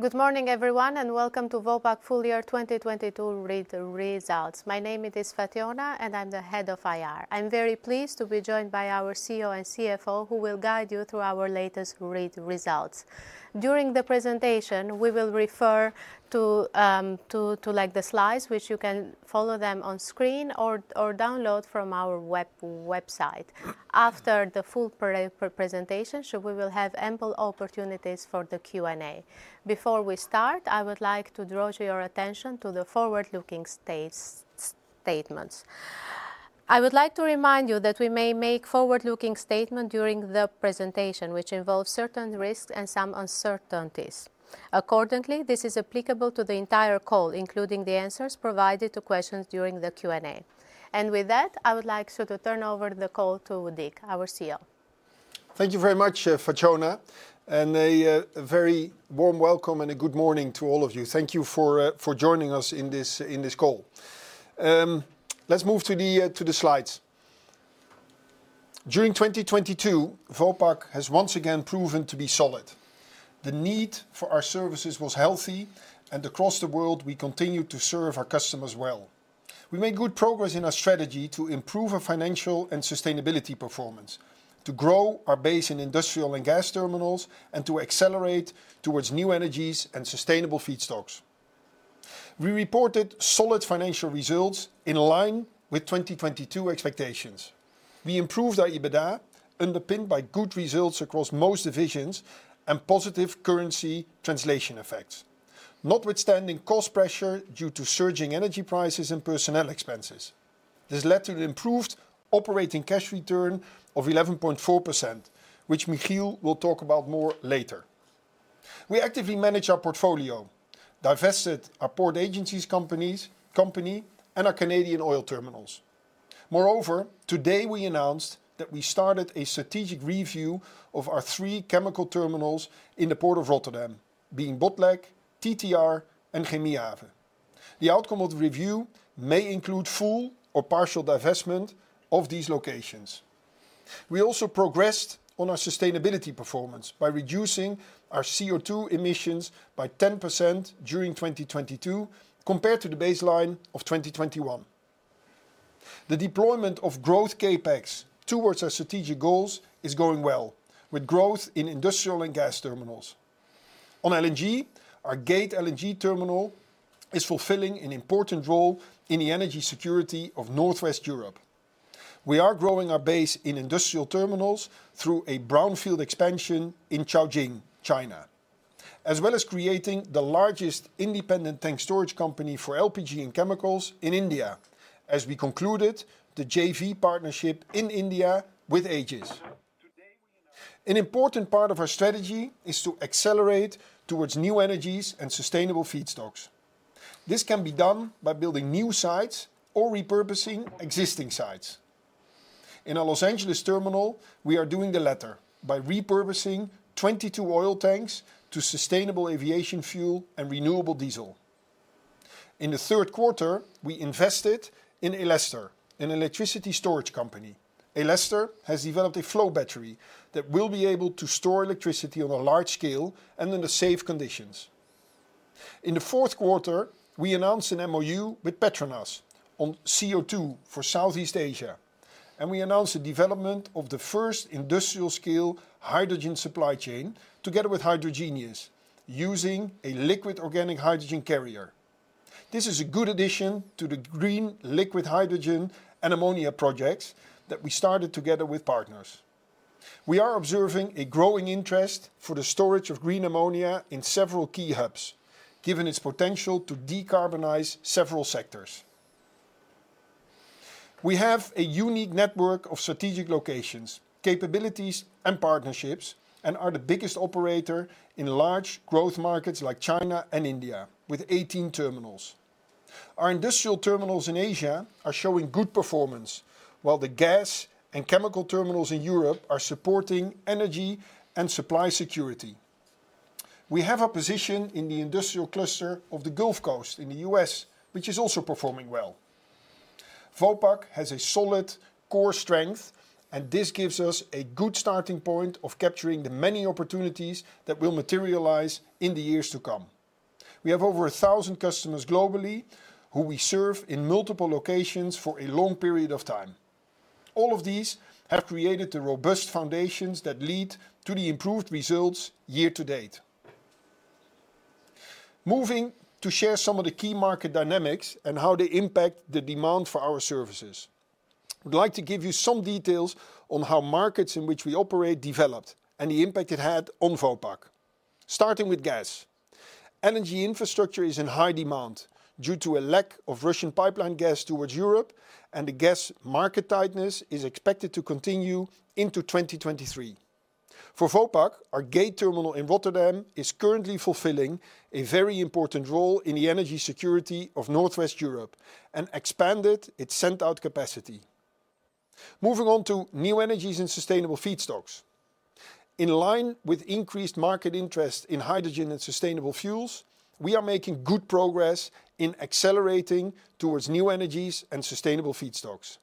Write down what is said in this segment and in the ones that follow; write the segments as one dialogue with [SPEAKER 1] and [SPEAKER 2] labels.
[SPEAKER 1] Good morning everyone, welcome to Vopak Full Year 2022 Results. My name it is Fatjona and I'm the Head of IR. I'm very pleased to be joined by our CEO and CFO who will guide you through our latest results. During the presentation, we will refer to like the slides which you can follow them on screen or download from our website. After the full presentation, we will have ample opportunities for the Q&A. Before we start, I would like to draw to your attention to the forward-looking statements. I would like to remind you that we may make forward-looking tatement during the presentation, which involves certain risks and some uncertainties. Accordingly, this is applicable to the entire call, including the answers provided to questions during the Q&A. With that, I would like so to turn over the call to Dick, our CEO.
[SPEAKER 2] Thank you very much, Fatjona, and a very warm welcome and a good morning to all of you. Thank you for joining us in this call. Let's move to the slides. During 2022, Vopak has once again proven to be solid. The need for our services was healthy, and across the world, we continued to serve our customers well. We made good progress in our strategy to improve our financial and sustainability performance, to grow our base in industrial and gas terminals, and to accelerate towards new energies and sustainable feedstocks. We reported solid financial results in line with 2022 expectations. We improved our EBITDA, underpinned by good results across most divisions and positive currency translation effects. Notwithstanding cost pressure due to surging energy prices and personnel expenses, this led to an improved operating cash return of 11.4%, which Michiel will talk about more later. We actively manage our portfolio, divested our port agencies company, and our Canadian oil terminals. Today we announced that we started a strategic review of our three chemical terminals in the Port of Rotterdam, being Botlek, TTR, and Chemiehaven. The outcome of the review may include full or partial divestment of these locations. We also progressed on our sustainability performance by reducing our CO2 emissions by 10% during 2022 compared to the baseline of 2021. The deployment of growth CapEx towards our strategic goals is going well, with growth in industrial and gas terminals. On LNG, our Gate LNG Terminal is fulfilling an important role in the energy security of Northwest Europe. We are growing our base in industrial terminals through a brownfield expansion in Caojing, China, as well as creating the largest independent tank storage company for LPG and chemicals in India as we concluded the JV partnership in India with Aegis. Important part of our strategy is to accelerate towards new energies and sustainable feedstocks. This can be done by building new sites or repurposing existing sites. In our Los Angeles terminal, we are doing the latter by repurposing 22 oil tanks to sustainable aviation fuel and renewable diesel. In the third quarter, we invested in Elestor, an electricity storage company. Elestor has developed a flow battery that will be able to store electricity on a large scale and under safe conditions. In the fourth quarter, we announced an MoU with PETRONAS on CO2 for Southeast Asia. We announced the development of the first industrial scale hydrogen supply chain together with Hydrogenious using a liquid organic hydrogen carrier. This is a good addition to the green liquid hydrogen and ammonia projects that we started together with partners. We are observing a growing interest for the storage of green ammonia in several key hubs, given its potential to decarbonize several sectors. We have a unique network of strategic locations, capabilities, and partnerships, and are the biggest operator in large growth markets like China and India with 18 terminals. Our industrial terminals in Asia are showing good performance, while the gas and chemical terminals in Europe are supporting energy and supply security. We have a position in the industrial cluster of the Gulf Coast in the US, which is also performing well. Vopak has a solid core strength. This gives us a good starting point of capturing the many opportunities that will materialize in the years to come. We have over 1,000 customers globally who we serve in multiple locations for a long period of time. All of these have created the robust foundations that lead to the improved results year to date. Moving to share some of the key market dynamics and how they impact the demand for our services. I would like to give you some details on how markets in which we operate developed and the impact it had on Vopak. Starting with gas. LNG infrastructure is in high demand due to a lack of Russian pipeline gas towards Europe, and the gas market tightness is expected to continue into 2023. For Vopak, our Gate terminal in Rotterdam is currently fulfilling a very important role in the energy security of Northwest Europe and expanded its sent-out capacity. Moving on to new energies and sustainable feedstocks. In line with increased market interest in hydrogen and sustainable fuels, we are making good progress in accelerating towards new energies and sustainable feedstocks.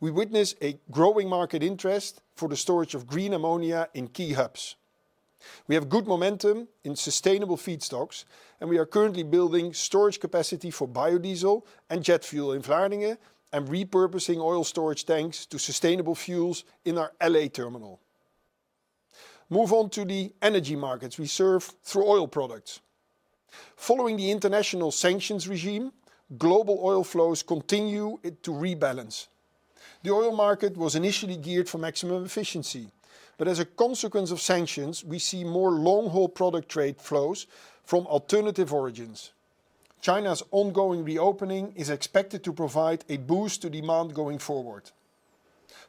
[SPEAKER 2] We witness a growing market interest for the storage of green ammonia in key hubs. We have good momentum in sustainable feedstocks, and we are currently building storage capacity for biodiesel and jet fuel in Vlaardingen and repurposing oil storage tanks to sustainable fuels in our L.A. terminal. Move on to the energy markets we serve through oil products. Following the international sanctions regime, global oil flows continue to rebalance. The oil market was initially geared for maximum efficiency. As a consequence of sanctions, we see more long-haul product trade flows from alternative origins. China's ongoing reopening is expected to provide a boost to demand going forward.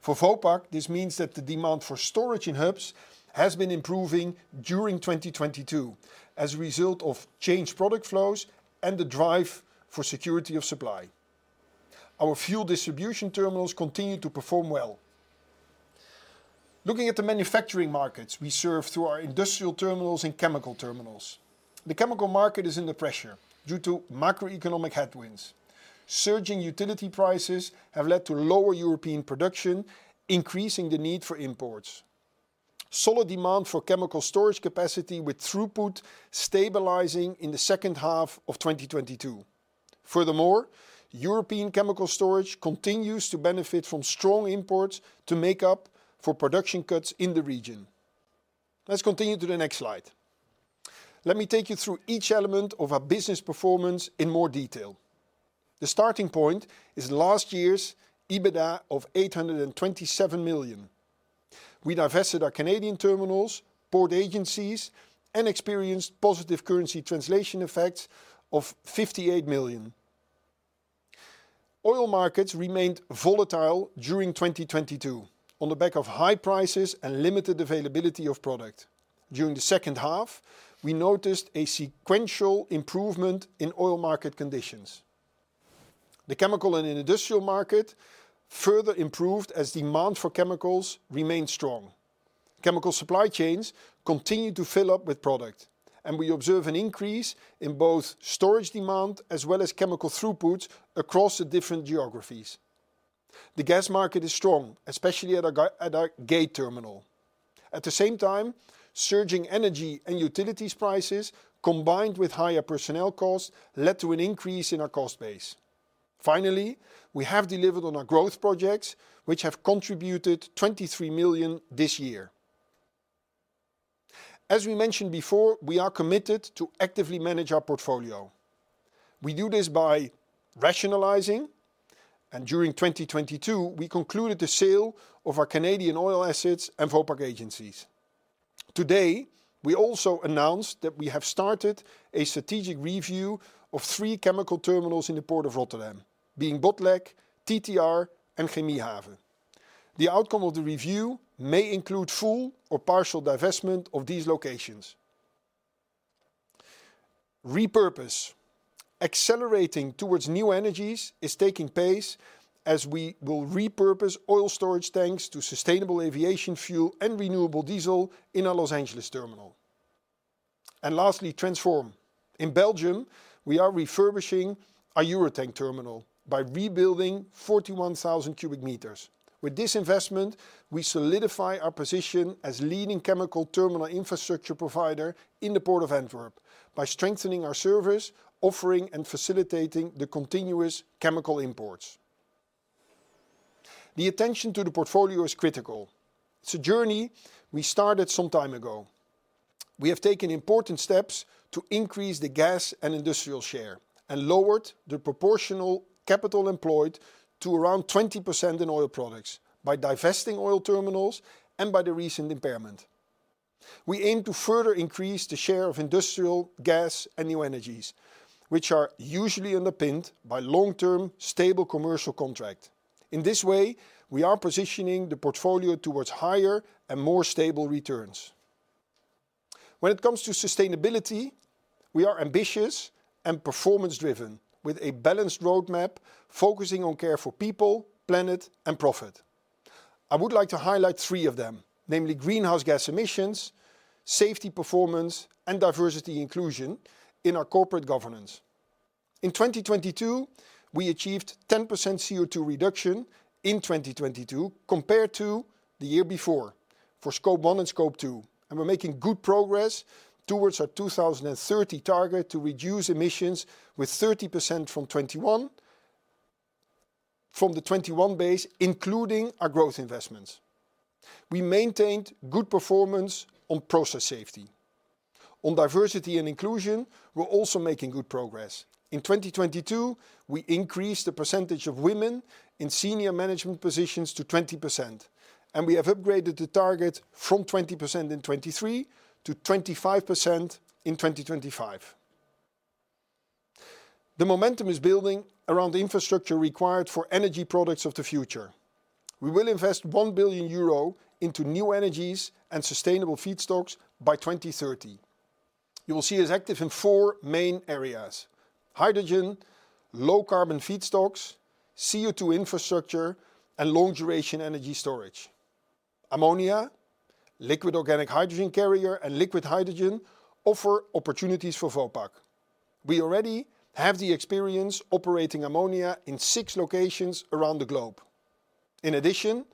[SPEAKER 2] For Vopak, this means that the demand for storage in hubs has been improving during 2022 as a result of changed product flows and the drive for security of supply. Our fuel distribution terminals continue to perform well. Looking at the manufacturing markets we serve through our industrial terminals and chemical terminals. The chemical market is under pressure due to macroeconomic headwinds. Surging utility prices have led to lower European production, increasing the need for imports. Solid demand for chemical storage capacity, with throughput stabilizing in the second half of 2022. Furthermore, European chemical storage continues to benefit from strong imports to make up for production cuts in the region. Let's continue to the next slide. Let me take you through each element of our business performance in more detail. The starting point is last year's EBITDA of 827 million. We divested our Canadian terminals, port agencies, and experienced positive currency translation effects of 58 million. Oil markets remained volatile during 2022 on the back of high prices and limited availability of product. During the second half, we noticed a sequential improvement in oil market conditions. The chemical and industrial market further improved as demand for chemicals remained strong. Chemical supply chains continue to fill up with product, and we observe an increase in both storage demand as well as chemical throughputs across the different geographies. The gas market is strong, especially at our Gate terminal. At the same time, surging energy and utilities prices, combined with higher personnel costs, led to an increase in our cost base. Finally, we have delivered on our growth projects, which have contributed 23 million this year. As we mentioned before, we are committed to actively manage our portfolio. We do this by rationalizing, and during 2022, we concluded the sale of our Canadian oil assets and Vopak Agencies. Today, we also announced that we have started a strategic review of three chemical terminals in the Port of Rotterdam, being Botlek, TTR, and Chemiehaven. The outcome of the review may include full or partial divestment of these locations. Repurpose. Accelerating towards new energies is taking pace as we will repurpose oil storage tanks to sustainable aviation fuel and renewable diesel in our Los Angeles terminal. Lastly, transform. In Belgium, we are refurbishing our Eurotank terminal by rebuilding 41,000 cubic meters. With this investment, we solidify our position as leading chemical terminal infrastructure provider in the Port of Antwerp by strengthening our service, offering, and facilitating the continuous chemical imports. The attention to the portfolio is critical. It's a journey we started some time ago. We have taken important steps to increase the gas and industrial share and lowered the proportional capital employed to around 20% in oil products by divesting oil terminals and by the recent impairment. We aim to further increase the share of industrial gas and new energies, which are usually underpinned by long-term, stable commercial contract. In this way, we are positioning the portfolio towards higher and more stable returns. When it comes to sustainability, we are ambitious and performance driven with a balanced roadmap focusing on care for people, planet, and profit. I would like to highlight three of them, namely greenhouse gas emissions, safety performance, and diversity inclusion in our corporate governance. In 2022, we achieved 10% CO2 reduction in 2022 compared to the year before for Scope 1 and Scope 2, and we're making good progress towards our 2030 target to reduce emissions with 30% from the 21 base, including our growth investments. We maintained good performance on process safety. On diversity and inclusion, we're also making good progress. In 2022, we increased the percentage of women in senior management positions to 20%, and we have upgraded the target from 20% in 23 to 25% in 2025. The momentum is building around the infrastructure required for energy products of the future. We will invest 1 billion euro into new energies and sustainable feedstocks by 2030. You will see us active in four main areas: hydrogen, low carbon feedstocks, CO2 infrastructure, and long-duration energy storage. Ammonia, liquid organic hydrogen carrier, and liquid hydrogen offer opportunities for Vopak. We already have the experience operating ammonia in six locations around the globe. In addition,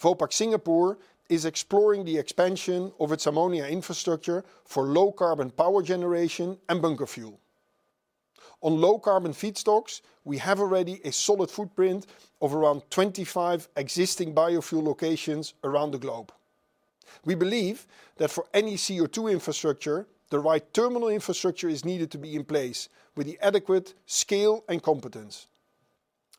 [SPEAKER 2] Vopak Singapore is exploring the expansion of its ammonia infrastructure for low carbon power generation and bunker fuel. On low carbon feedstocks, we have already a solid footprint of around 25 existing biofuel locations around the globe. We believe that for any CO2 infrastructure, the right terminal infrastructure is needed to be in place with the adequate scale and competence.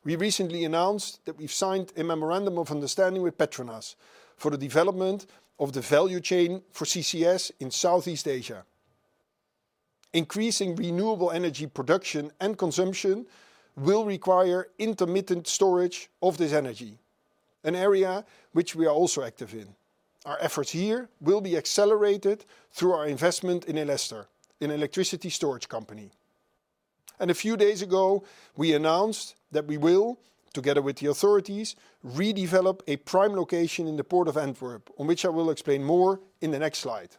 [SPEAKER 2] We recently announced that we've signed a memorandum of understanding with PETRONAS for the development of the value chain for CCS in Southeast Asia. Increasing renewable energy production and consumption will require intermittent storage of this energy, an area which we are also active in. Our efforts here will be accelerated through our investment in Elestor, an electricity storage company. A few days ago, we announced that we will, together with the authorities, redevelop a prime location in the Port of Antwerp, on which I will explain more in the next slide.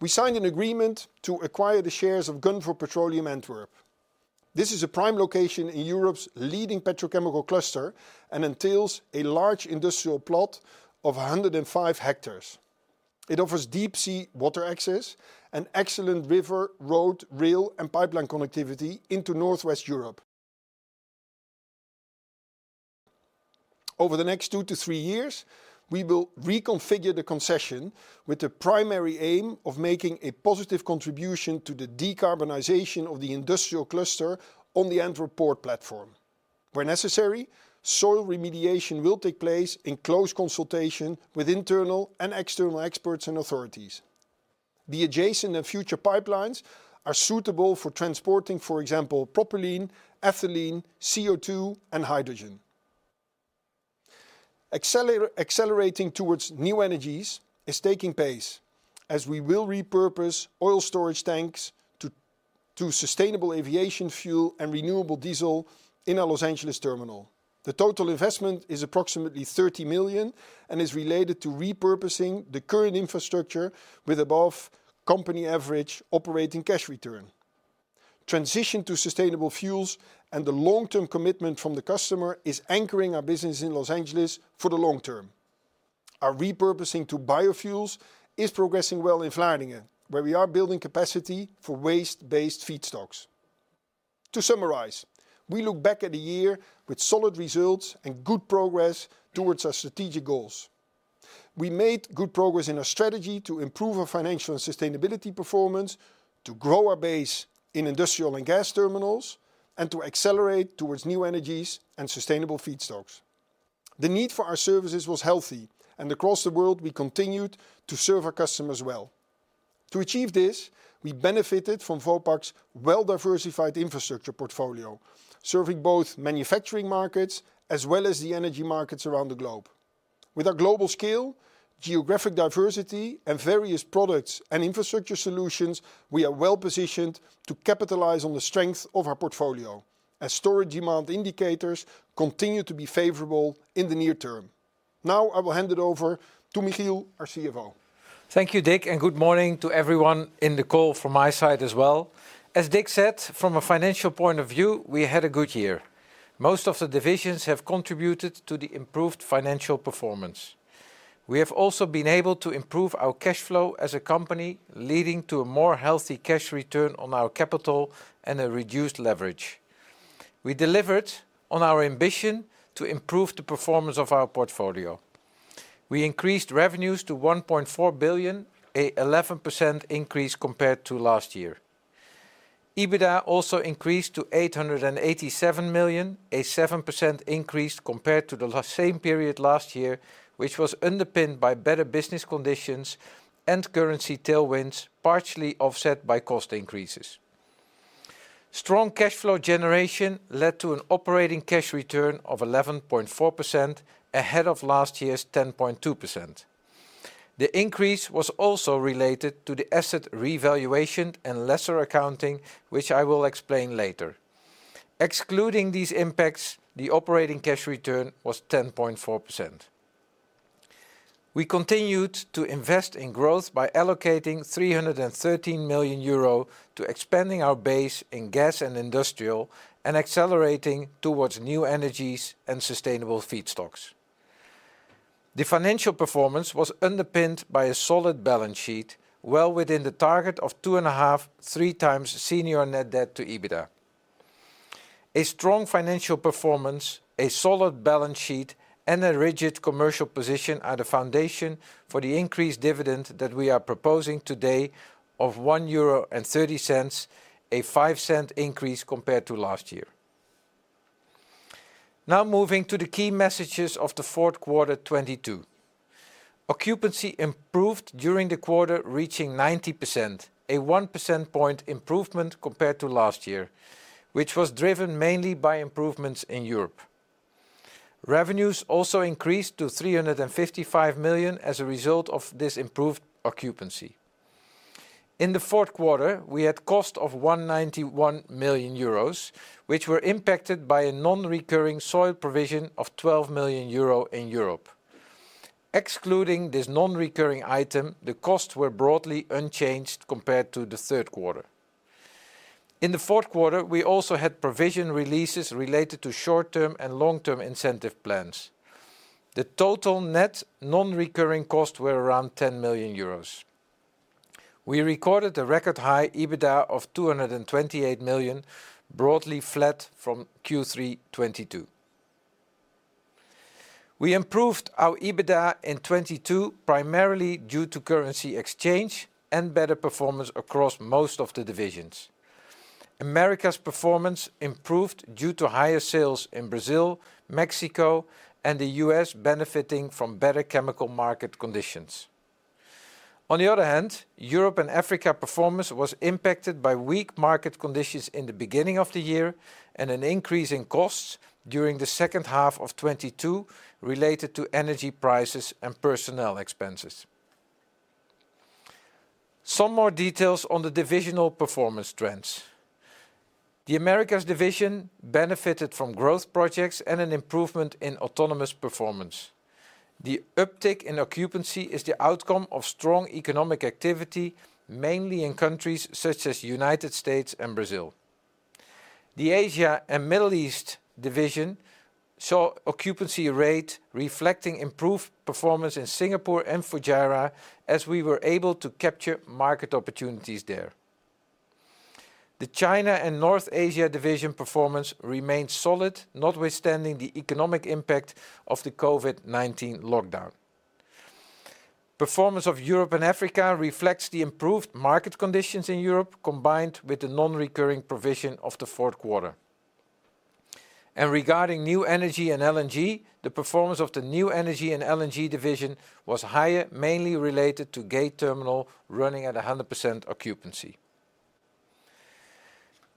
[SPEAKER 2] We signed an agreement to acquire the shares of Gunvor Petroleum Antwerp. This is a prime location in Europe's leading petrochemical cluster and entails a large industrial plot of 105 hectares. It offers deep sea water access and excellent river, road, rail, and pipeline connectivity into Northwest Europe. Over the next two to three years, we will reconfigure the concession with the primary aim of making a positive contribution to the decarbonization of the industrial cluster on the Antwerp port platform. Where necessary, soil remediation will take place in close consultation with internal and external experts and authorities. The adjacent and future pipelines are suitable for transporting, for example, propylene, ethylene, CO2, and hydrogen. Accelerating towards new energies is taking pace, as we will repurpose oil storage tanks to sustainable aviation fuel and renewable diesel in our Los Angeles terminal. The total investment is approximately $30 million and is related to repurposing the current infrastructure with above company average operating cash return. Transition to sustainable fuels and the long-term commitment from the customer is anchoring our business in Los Angeles for the long term. Our repurposing to biofuels is progressing well in Vlaardingen, where we are building capacity for waste-based feedstocks. To summarize, we look back at a year with solid results and good progress towards our strategic goals. We made good progress in our strategy to improve our financial and sustainability performance, to grow our base in industrial and gas terminals, and to accelerate towards new energies and sustainable feedstocks. The need for our services was healthy, and across the world, we continued to serve our customers well. To achieve this, we benefited from Vopak's well-diversified infrastructure portfolio, serving both manufacturing markets as well as the energy markets around the globe. With our global scale, geographic diversity, and various products and infrastructure solutions, we are well-positioned to capitalize on the strength of our portfolio as storage demand indicators continue to be favorable in the near term. Now I will hand it over to Michiel, our CFO.
[SPEAKER 3] Thank you, Dick, and good morning to everyone in the call from my side as well. As Dick said, from a financial point of view, we had a good year. Most of the divisions have contributed to the improved financial performance. We have also been able to improve our cash flow as a company, leading to a more healthy cash return on our capital and a reduced leverage. We delivered on our ambition to improve the performance of our portfolio. We increased revenues to 1.4 billion, an 11% increase compared to last year. EBITDA also increased to 887 million, a 7% increase compared to the last same period last year, which was underpinned by better business conditions and currency tailwinds, partially offset by cost increases. Strong cash flow generation led to an operating cash return of 11.4%, ahead of last year's 10.2%. The increase was also related to the asset revaluation and lessor accounting, which I will explain later. Excluding these impacts, the operating cash return was 10.4%. We continued to invest in growth by allocating 313 million euro to expanding our base in gas and industrial and accelerating towards new energies and sustainable feedstocks. The financial performance was underpinned by a solid balance sheet, well within the target of 2.5-3 times senior net debt to EBITDA. A strong financial performance, a solid balance sheet, and a rigid commercial position are the foundation for the increased dividend that we are proposing today of 1.30 euro, a 0.05 increase compared to last year. Moving to the key messages of the fourth quarter 2022. Occupancy improved during the quarter, reaching 90%, a 1 percentage point improvement compared to last year, which was driven mainly by improvements in Europe. Revenues also increased to 355 million as a result of this improved occupancy. In the fourth quarter, we had cost of 191 million euros, which were impacted by a non-recurring soil provision of 12 million euro in Europe. Excluding this non-recurring item, the costs were broadly unchanged compared to the third quarter. In the fourth quarter, we also had provision releases related to short-term and long-term incentive plans. The total net non-recurring costs were around 10 million euros. We recorded a record high EBITDA of 228 million, broadly flat from Q3 2022. We improved our EBITDA in 2022, primarily due to currency exchange and better performance across most of the divisions. Americas performance improved due to higher sales in Brazil, Mexico, and the U.S. benefiting from better chemical market conditions. Europe and Africa performance was impacted by weak market conditions in the beginning of the year and an increase in costs during the second half of 2022 related to energy prices and personnel expenses. Some more details on the divisional performance trends. The Americas division benefited from growth projects and an improvement in autonomous performance. The uptick in occupancy is the outcome of strong economic activity, mainly in countries such as United States and Brazil. The Asia and Middle East division saw occupancy rate reflecting improved performance in Singapore and Fujairah, as we were able to capture market opportunities there. The China and North Asia Division performance remained solid, notwithstanding the economic impact of the COVID-19 lockdown. Performance of Europe and Africa reflects the improved market conditions in Europe, combined with the non-recurring provision of the fourth quarter. Regarding new energy and LNG, the performance of the New Energy and LNG Division was higher, mainly related to Gate Terminal running at 100% occupancy.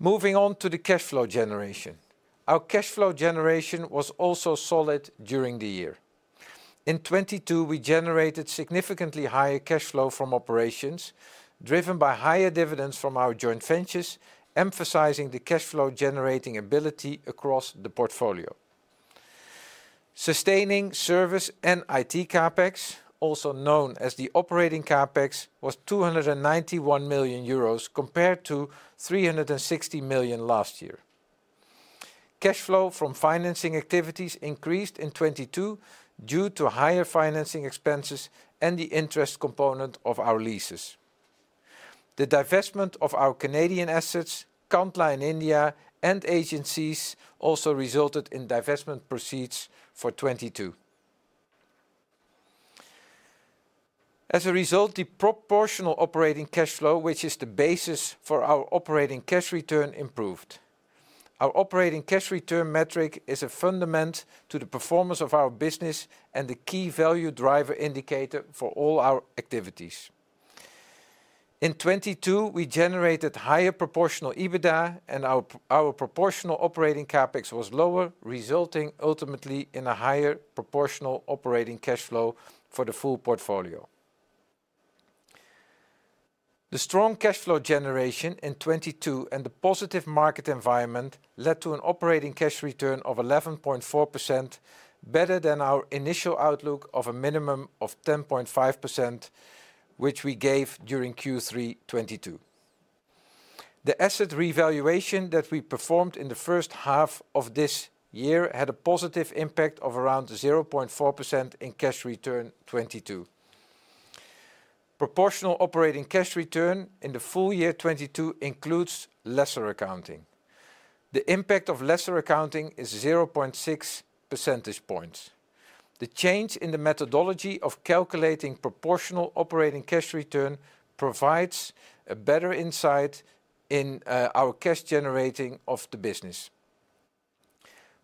[SPEAKER 3] Moving on to the cash flow generation. Our cash flow generation was also solid during the year. In 2022, we generated significantly higher cash flow from operations, driven by higher dividends from our joint ventures, emphasizing the cash flow generating ability across the portfolio. Sustaining service and IT CapEx, also known as the operating CapEx, was 291 million euros compared to 360 million last year. Cash flow from financing activities increased in 2022 due to higher financing expenses and the interest component of our leases. The divestment of our Canadian assets, Contline India, and agencies also resulted in divestment proceeds for 2022. The proportional operating cash flow, which is the basis for our operating cash return, improved. Our operating cash return metric is a fundament to the performance of our business and the key value driver indicator for all our activities. In 2022, we generated higher proportional EBITDA, and our proportional operating CapEx was lower, resulting ultimately in a higher proportional operating cash flow for the full portfolio. The strong cash flow generation in 2022 and the positive market environment led to an operating cash return of 11.4%, better than our initial outlook of a minimum of 10.5%, which we gave during Q3 2022. The asset revaluation that we performed in the first half of this year had a positive impact of around 0.4% in cash return 2022. Proportional operating cash return in the full year 2022 includes lessor accounting. The impact of lessor accounting is 0.6 percentage points. The change in the methodology of calculating proportional operating cash return provides a better insight in our cash generating of the business.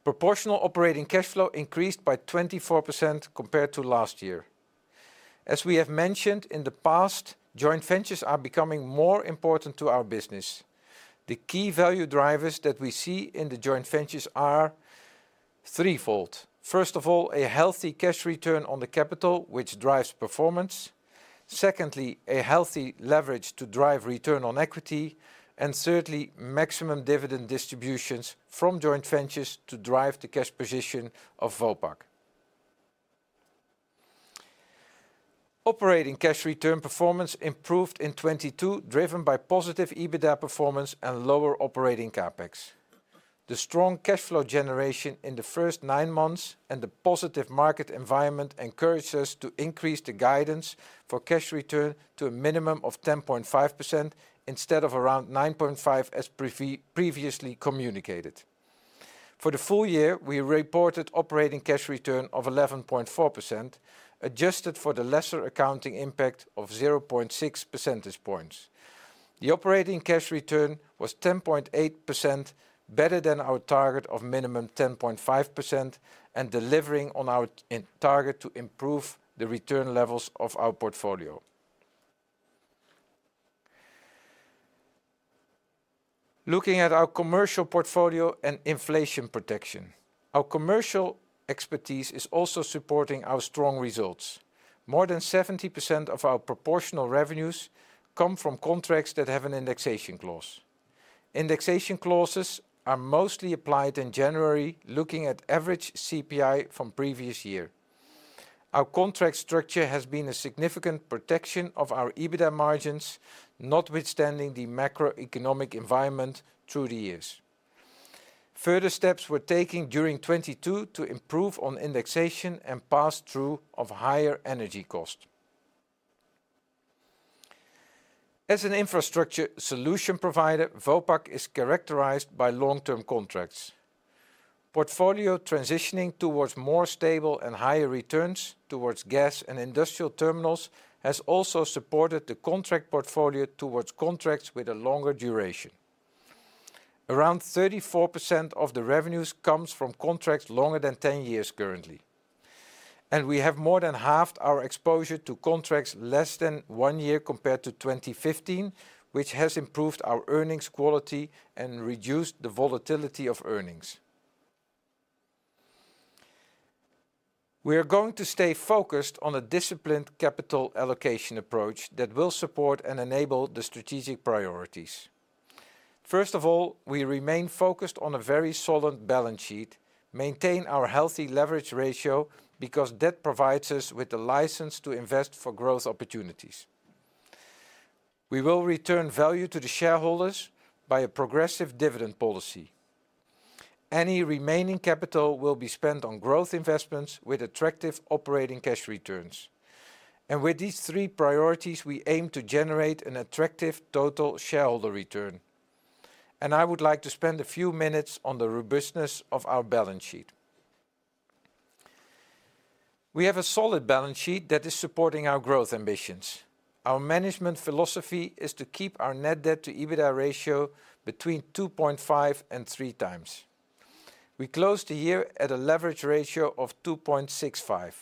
[SPEAKER 3] Proportional operating cash flow increased by 24% compared to last year. As we have mentioned in the past, joint ventures are becoming more important to our business. The key value drivers that we see in the joint ventures are threefold. First of all, a healthy cash return on the capital, which drives performance. Secondly, a healthy leverage to drive return on equity. Thirdly, maximum dividend distributions from joint ventures to drive the cash position of Vopak. Operating cash return performance improved in 2022, driven by positive EBITDA performance and lower operating CapEx. The strong cash flow generation in the first nine months and the positive market environment encouraged us to increase the guidance for cash return to a minimum of 10.5% instead of around 9.5%, as previously communicated. For the full year, we reported operating cash return of 11.4%, adjusted for the lessor accounting impact of 0.6 percentage points. The operating cash return was 10.8% better than our target of minimum 10.5% and delivering on our target to improve the return levels of our portfolio. Looking at our commercial portfolio and inflation protection. Our commercial expertise is also supporting our strong results. More than 70% of our proportional revenues come from contracts that have an indexation clause. Indexation clauses are mostly applied in January, looking at average CPI from previous year. Our contract structure has been a significant protection of our EBITDA margins, notwithstanding the macroeconomic environment through the years. Further steps were taken during 2022 to improve on indexation and pass through of higher energy cost. As an infrastructure solution provider, Vopak is characterized by long-term contracts. Portfolio transitioning towards more stable and higher returns towards gas and industrial terminals has also supported the contract portfolio towards contracts with a longer duration. Around 34% of the revenues comes from contracts longer than 10 years currently, and we have more than halved our exposure to contracts less than 1 year compared to 2015, which has improved our earnings quality and reduced the volatility of earnings. We are going to stay focused on a disciplined capital allocation approach that will support and enable the strategic priorities. First of all, we remain focused on a very solid balance sheet, maintain our healthy leverage ratio because that provides us with the license to invest for growth opportunities. We will return value to the shareholders by a progressive dividend policy. Any remaining capital will be spent on growth investments with attractive operating cash returns. With these three priorities, we aim to generate an attractive total shareholder return. I would like to spend a few minutes on the robustness of our balance sheet. We have a solid balance sheet that is supporting our growth ambitions. Our management philosophy is to keep our net debt to EBITDA ratio between 2.5 and 3 times. We closed the year at a leverage ratio of 2.65,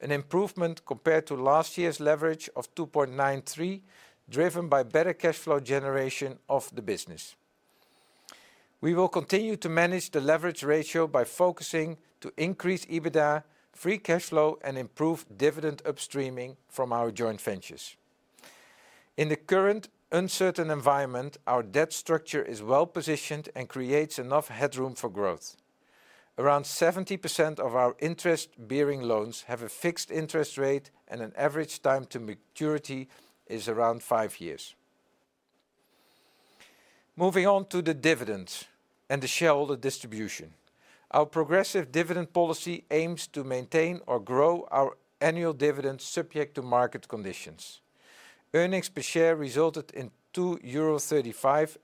[SPEAKER 3] an improvement compared to last year's leverage of 2.93, driven by better cash flow generation of the business. We will continue to manage the leverage ratio by focusing to increase EBITDA, free cash flow, and improve dividend upstreaming from our joint ventures. In the current uncertain environment, our debt structure is well-positioned and creates enough headroom for growth. Around 70% of our interest-bearing loans have a fixed interest rate and an average time to maturity is around 5 years. Moving on to the dividends and the shareholder distribution. Our progressive dividend policy aims to maintain or grow our annual dividend subject to market conditions. Earnings per share resulted in 2.35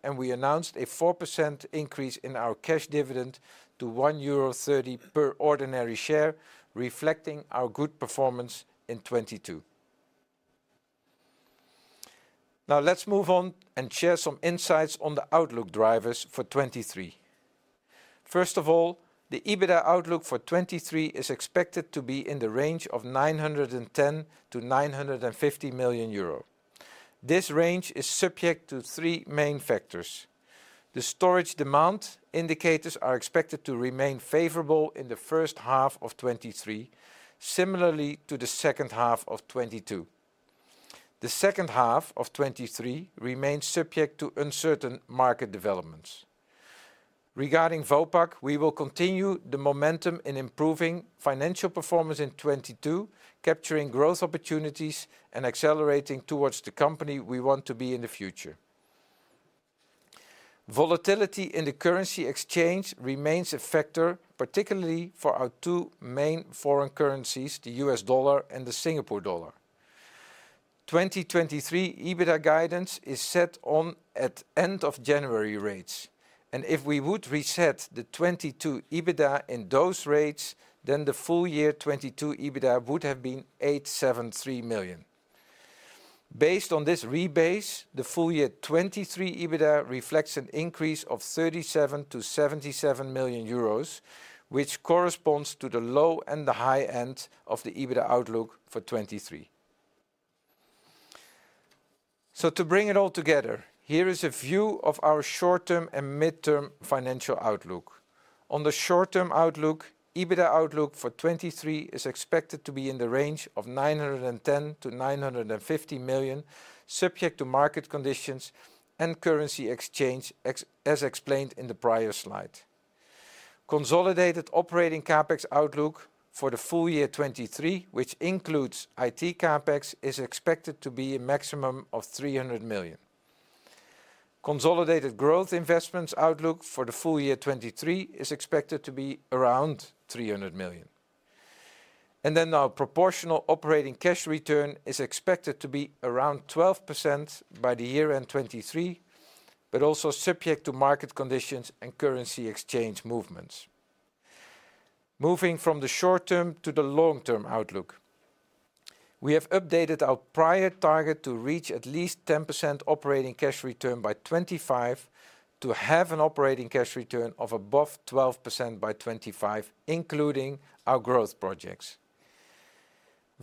[SPEAKER 3] euro, we announced a 4% increase in our cash dividend to 1.30 euro per ordinary share, reflecting our good performance in 2022. Let's move on and share some insights on the outlook drivers for 2023. First of all, the EBITDA outlook for 2023 is expected to be in the range of 910 million-950 million euro. This range is subject to three main factors. The storage demand indicators are expected to remain favorable in the first half of 2023, similarly to the second half of 2022. The second half of 2023 remains subject to uncertain market developments. Regarding Vopak, we will continue the momentum in improving financial performance in 2022, capturing growth opportunities and accelerating towards the company we want to be in the future. Volatility in the currency exchange remains a factor, particularly for our two main foreign currencies, the US dollar and the Singapore dollar. 2023 EBITDA guidance is set on at end of January rates. If we would reset the 2022 EBITDA in those rates, the full year 2022 EBITDA would have been 873 million. Based on this rebase, the full year 2023 EBITDA reflects an increase of 37 million-77 million euros, which corresponds to the low and the high end of the EBITDA outlook for 2023. To bring it all together, here is a view of our short-term and mid-term financial outlook. On the short-term outlook, EBITDA outlook for 2023 is expected to be in the range of 910 million-950 million, subject to market conditions and currency exchange as explained in the prior slide. Consolidated operating CapEx outlook for the full year 2023, which includes IT CapEx, is expected to be a maximum of 300 million. Consolidated growth investments outlook for the full year 2023 is expected to be around 300 million. Our proportional operating cash return is expected to be around 12% by the year-end 2023, but also subject to market conditions and currency exchange movements. Moving from the short term to the long-term outlook. We have updated our prior target to reach at least 10% operating cash return by 2025 to have an operating cash return of above 12% by 2025, including our growth projects.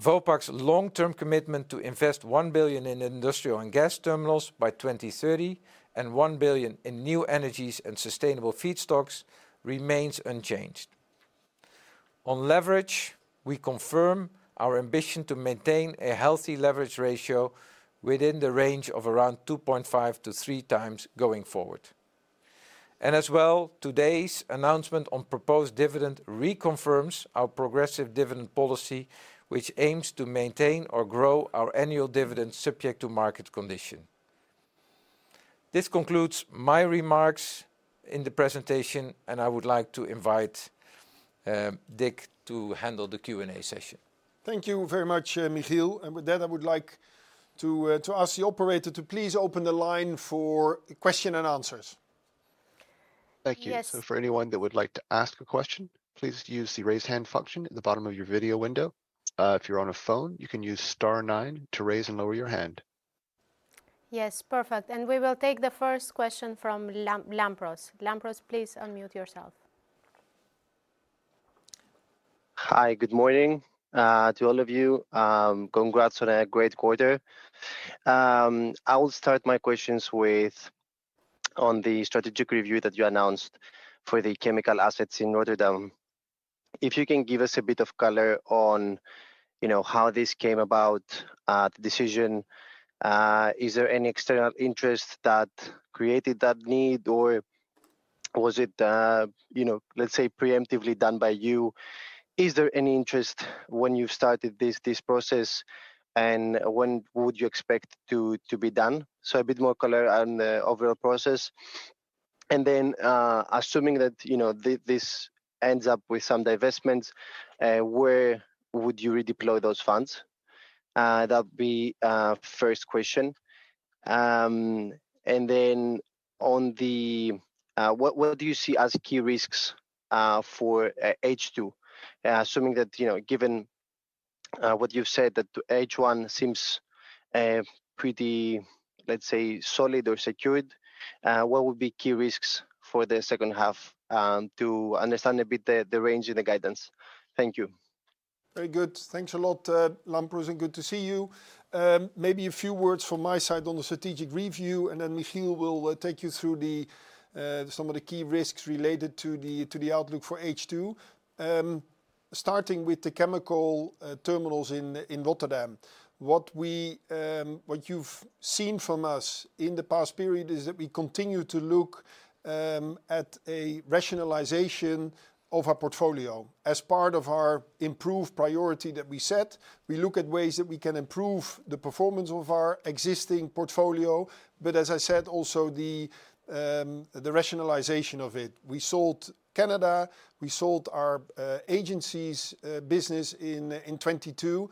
[SPEAKER 3] Vopak's long-term commitment to invest 1 billion in industrial and gas terminals by 2030 and 1 billion in new energies and sustainable feedstocks remains unchanged. On leverage, we confirm our ambition to maintain a healthy leverage ratio within the range of around 2.5 times-3 times going forward. As well, today's announcement on proposed dividend reconfirms our progressive dividend policy, which aims to maintain or grow our annual dividend subject to market condition. This concludes my remarks in the presentation, and I would like to invite Dick to handle the Q&A session.
[SPEAKER 2] Thank you very much, Michiel. With that, I would like to ask the operator to please open the line for question and answers.
[SPEAKER 4] Thank you.
[SPEAKER 1] Yes.
[SPEAKER 4] For anyone that would like to ask a question, please use the Raise Hand function at the bottom of your video window. If you're on a phone, you can use star nine to raise and lower your hand.
[SPEAKER 1] Yes. Perfect. We will take the first question from Lampros. Lampros, please unmute yourself.
[SPEAKER 5] Hi, good morning to all of you. Congrats on a great quarter. I will start my questions on the strategic review that you announced for the chemical assets in Rotterdam. If you can give us a bit of color on, you know, how this came about, the decision, is there any external interest that created that need, or was it, you know, let's say, preemptively done by you? Is there any interest when you started this process, and when would you expect to be done? A bit more color on the overall process. Assuming that, you know, this ends up with some divestments, where would you redeploy those funds? That would be first question. On the... What do you see as key risks for H2? Assuming that, you know, given what you've said, that H1 seems pretty, let's say, solid or secured, what would be key risks for the second half, to understand a bit the range of the guidance? Thank you.
[SPEAKER 2] Very good. Thanks a lot, Lampros, and good to see you. Maybe a few words from my side on the strategic review, and then Michiel will take you through some of the key risks related to the outlook for H2. Starting with the chemical terminals in Rotterdam. What we, what you've seen from us in the past period is that we continue to look at a rationalization of our portfolio. As part of our improved priority that we set, we look at ways that we can improve the performance of our existing portfolio, but as I said, also the rationalization of it. We sold Canada, we sold our agencies business in 2022.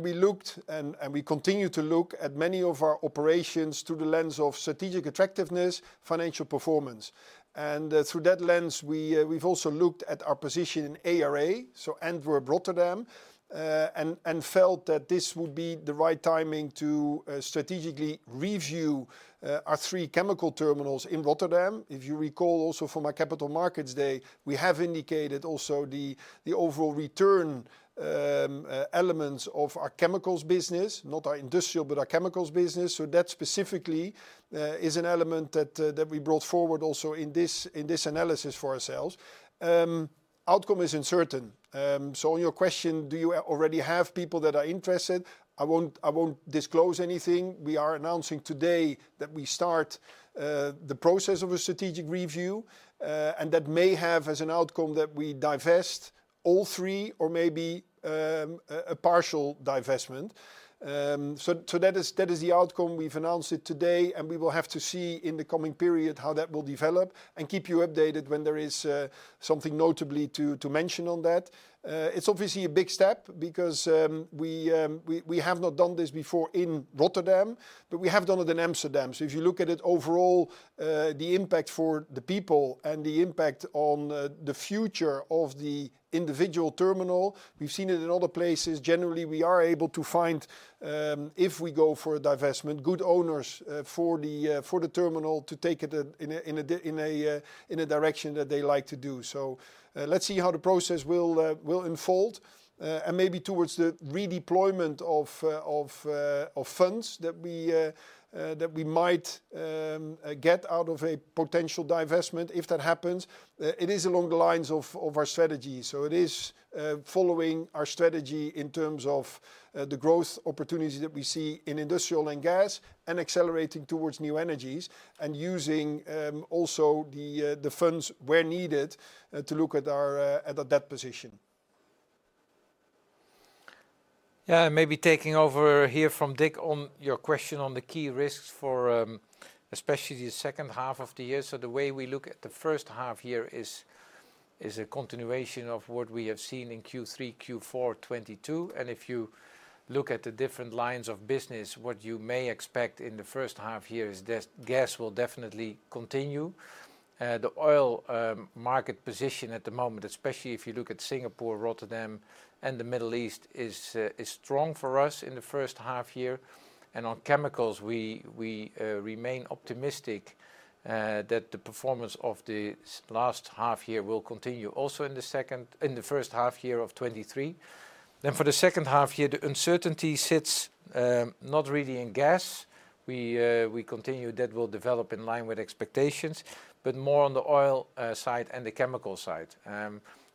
[SPEAKER 2] We looked and we continue to look at many of our operations through the lens of strategic attractiveness, financial performance. Through that lens, we've also looked at our position in ARA, so Antwerp-Rotterdam, and felt that this would be the right timing to strategically review our three chemical terminals in Rotterdam. If you recall also from our Capital Markets Day, we have indicated also the overall return elements of our chemicals business, not our industrial, but our chemicals business. That specifically is an element that we brought forward also in this, in this analysis for ourselves. Outcome is uncertain. On your question, do you already have people that are interested, I won't disclose anything. We are announcing today that we start the process of a strategic review. That may have as an outcome that we divest all three or maybe a partial divestment. That is the outcome. We've announced it today, and we will have to see in the coming period how that will develop and keep you updated when there is something notably to mention on that. It's obviously a big step because we have not done this before in Rotterdam, but we have done it in Amsterdam. If you look at it overall, the impact for the people and the impact on the future of the individual terminal, we've seen it in other places. Generally, we are able to find, if we go for a divestment, good owners for the terminal to take it in a direction that they like to do. Let's see how the process will unfold. Maybe towards the redeployment of funds that we might get out of a potential divestment, if that happens. It is along the lines of our strategy, it is following our strategy in terms of the growth opportunities that we see in industrial and gas and accelerating towards new energies and using also the funds where needed to look at our debt position.
[SPEAKER 3] Yeah, maybe taking over here from Dick on your question on the key risks for especially the second half of the year. The way we look at the first half here is a continuation of what we have seen in Q3, Q4 2022. If you look at the different lines of business, what you may expect in the first half year is gas will definitely continue. The oil market position at the moment, especially if you look at Singapore, Rotterdam, and the Middle East, is strong for us in the first half year. On chemicals, we remain optimistic that the performance of the last half year will continue also in the first half year of 2023. For the second half year, the uncertainty sits not really in gas. We continue that will develop in line with expectations, but more on the oil side and the chemical side.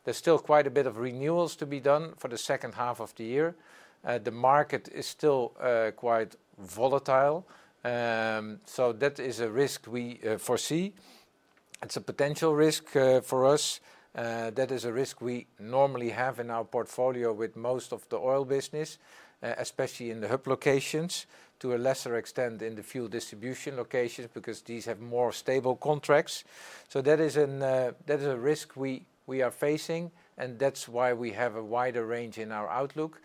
[SPEAKER 3] There's still quite a bit of renewals to be done for the second half of the year. The market is still quite volatile. That is a risk we foresee. It's a potential risk for us. That is a risk we normally have in our portfolio with most of the oil business, especially in the hub locations, to a lesser extent in the fuel distribution locations because these have more stable contracts. That is a risk we are facing, and that's why we have a wider range in our outlook.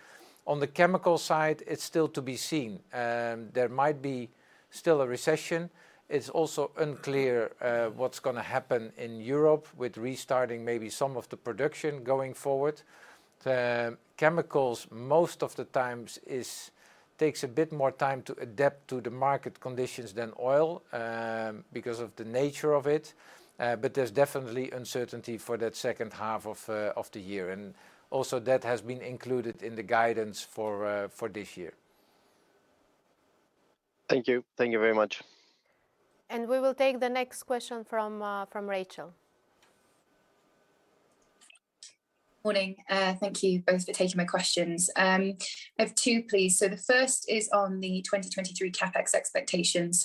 [SPEAKER 3] On the chemical side, it's still to be seen. There might be still a recession. It's also unclear what's gonna happen in Europe with restarting maybe some of the production going forward. The chemicals, most of the times, is takes a bit more time to adapt to the market conditions than oil because of the nature of it. There's definitely uncertainty for that second half of the year, and also that has been included in the guidance for this year.
[SPEAKER 5] Thank you. Thank you very much.
[SPEAKER 4] We will take the next question from Rachel.
[SPEAKER 6] Morning. Thank you both for taking my questions. I have two, please. The first is on the 2023 CapEx expectations.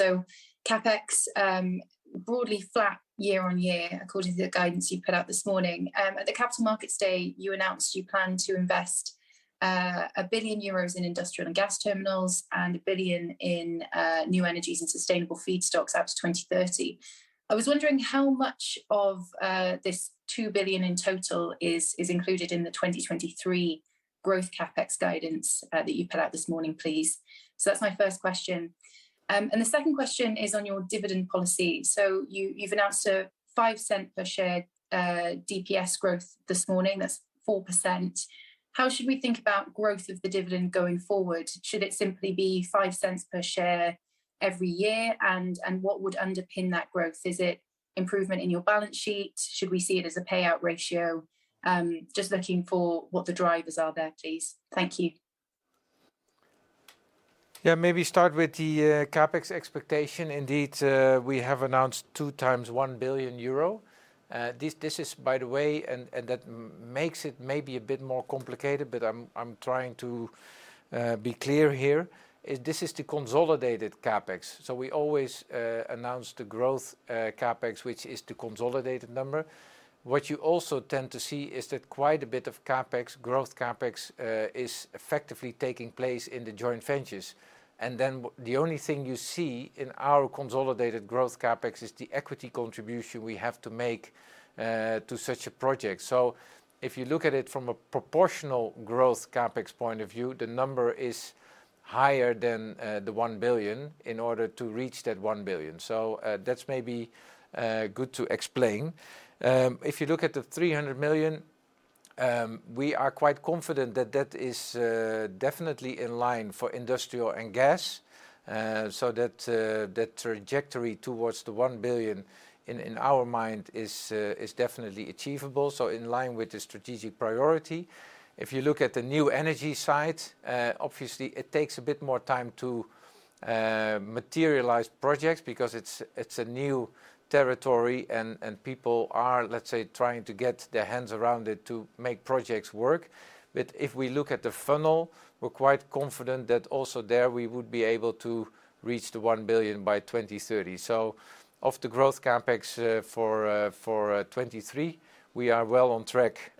[SPEAKER 6] CapEx, broadly flat year-on-year according to the guidance you put out this morning. At the Capital Markets Day, you announced you plan to invest 1 billion euros in industrial and gas terminals and 1 billion in new energies and sustainable feedstocks out to 2030. I was wondering how much of this 2 billion in total is included in the 2023 growth CapEx guidance that you put out this morning, please. That's my first question. The second question is on your dividend policy. You've announced a 0.05 per share DPS growth this morning. That's 4%. How should we think about growth of the dividend going forward? Should it simply be 0.05 per share every year? What would underpin that growth? Is it improvement in your balance sheet? Should we see it as a payout ratio? Just looking for what the drivers are there, please. Thank you.
[SPEAKER 3] Yeah, maybe start with the CapEx expectation. Indeed, we have announced two times 1 billion euro. This is by the way, and that makes it maybe a bit more complicated, but I'm trying to be clear here, is this is the consolidated CapEx. We always announce the growth CapEx, which is the consolidated number. What you also tend to see is that quite a bit of CapEx, growth CapEx, is effectively taking place in the joint ventures. The only thing you see in our consolidated growth CapEx is the equity contribution we have to make to such a project. If you look at it from a proportional growth CapEx point of view, the number is higher than 1 billion in order to reach that 1 billion. That's maybe good to explain. If you look at the 300 million, we are quite confident that that is definitely in line for industrial and gas. That trajectory towards the 1 billion in our mind is definitely achievable, so in line with the strategic priority. If you look at the new energy side, obviously it takes a bit more time to materialize projects because it's a new territory and people are, let's say, trying to get their hands around it to make projects work. If we look at the funnel, we're quite confident that also there we would be able to reach the 1 billion by 2030. Of the growth CapEx for 2023, we are well on track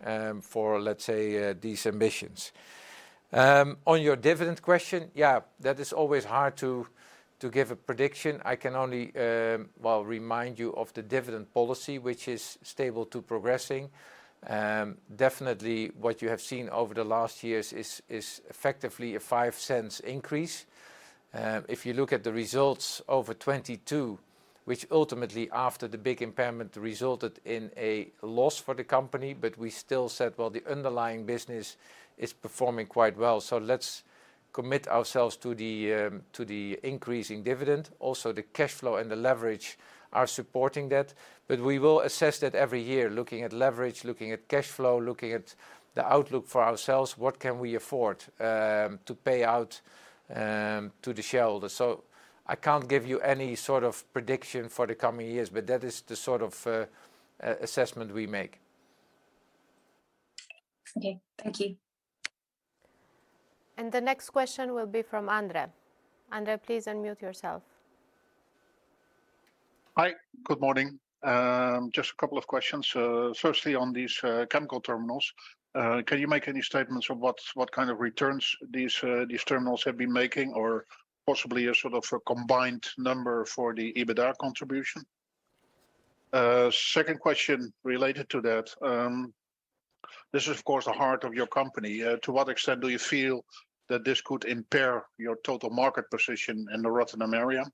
[SPEAKER 3] for, let's say, these ambitions. On your dividend question, that is always hard to give a prediction. I can only, well, remind you of the dividend policy, which is stable to progressing. Definitely what you have seen over the last years is effectively a 0.05 increase. If you look at the results over 2022, which ultimately after the big impairment resulted in a loss for the company, we still said, "Well, the underlying business is performing quite well, so let's commit ourselves to the increasing dividend." The cash flow and the leverage are supporting that, we will assess that every year looking at leverage, looking at cash flow, looking at the outlook for ourselves, what can we afford to pay out to the shareholder. I can't give you any sort of prediction for the coming years, but that is the sort of, assessment we make.
[SPEAKER 6] Okay. Thank you.
[SPEAKER 4] The next question will be from Andre. Andre, please unmute yourself.
[SPEAKER 7] Hi. Good morning. Just a couple of questions. Firstly, on these chemical terminals, can you make any statements on what kind of returns these terminals have been making or possibly a sort of a combined number for the EBITDA contribution? Second question related to that, this is of course the heart of your company. To what extent do you feel that this could impair your total market position in the Rotterdam area?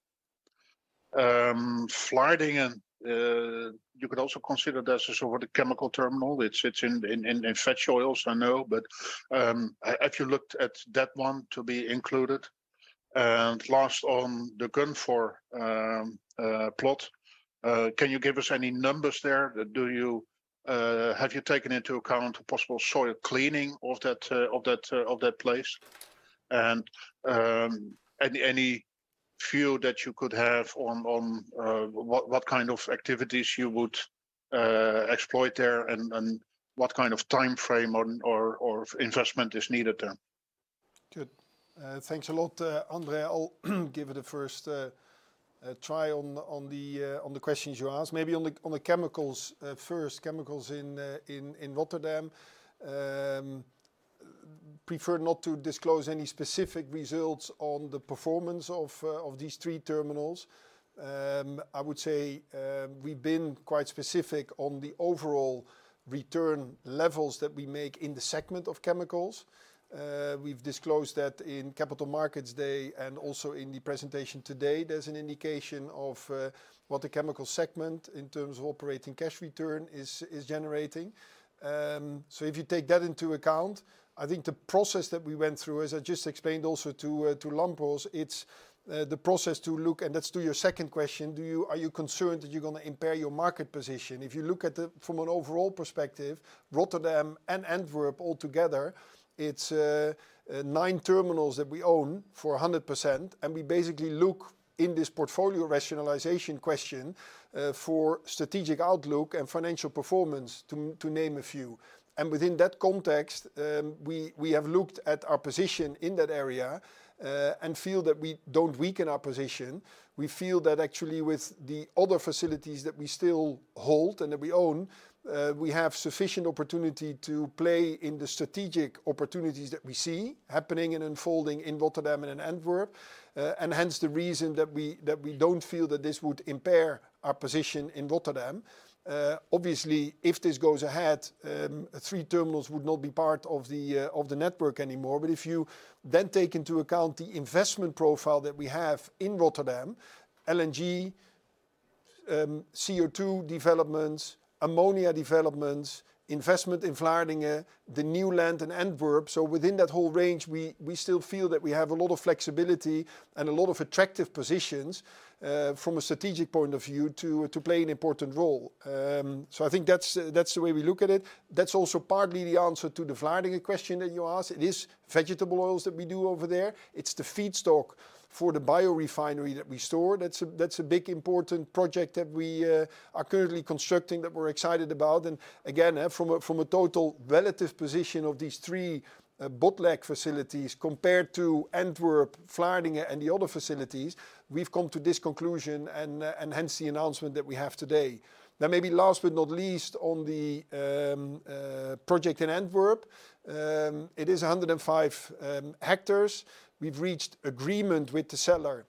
[SPEAKER 7] Vlissingen, you could also consider that as a sort of chemical terminal. It's, it's in, in vegoils, I know, but have you looked at that one to be included? Last, on the Gunvor plot, can you give us any numbers there? Do you. Have you taken into account a possible soil cleaning of that place? Any view that you could have on what kind of activities you would exploit there and what kind of timeframe or investment is needed there?
[SPEAKER 2] Good. Thanks a lot, Andre. I'll give it a first try on the questions you asked. Maybe on the chemicals, first, chemicals in Rotterdam. Prefer not to disclose any specific results on the performance of these three terminals. I would say, we've been quite specific on the overall return levels that we make in the segment of chemicals. We've disclosed that in Capital Markets Day and also in the presentation today. There's an indication of what the Chemical Segment in terms of operating cash return is generating. If you take that into account, I think the process that we went through, as I just explained also to Lampros, it's the process to look... That's to your second question, are you concerned that you're gonna impair your market position? If you look at the, from an overall perspective, Rotterdam and Antwerp all together, it's nine terminals that we own, for 100%, and we basically look in this portfolio rationalization question for strategic outlook and financial performance, to name a few. Within that context, we have looked at our position in that area, and feel that we don't weaken our position. We feel that actually with the other facilities that we still hold and that we own, we have sufficient opportunity to play in the strategic opportunities that we see happening and unfolding in Rotterdam and in Antwerp. Hence the reason that we don't feel that this would impair our position in Rotterdam. Obviously, if this goes ahead, three terminals would not be part of the network anymore. If you then take into account the investment profile that we have in Rotterdam, LNG, CO2 developments, ammonia developments, investment in Vlaardingen, the new land in Antwerp. Within that whole range, we still feel that we have a lot of flexibility and a lot of attractive positions from a strategic point of view to play an important role. I think that's the way we look at it. That's also partly the answer to the Vlaardingen question that you asked. It is vegetable oils that we do over there. It's the feedstock for the biorefinery that we store. That's a big, important project that we are currently constructing, that we're excited about. Again, from a total relative position of these three Botlek facilities compared to Antwerp, Vlaardingen, and the other facilities, we've come to this conclusion and hence the announcement that we have today. Maybe last but not least on the project in Antwerp, it is 105 hectares. We've reached agreement with the seller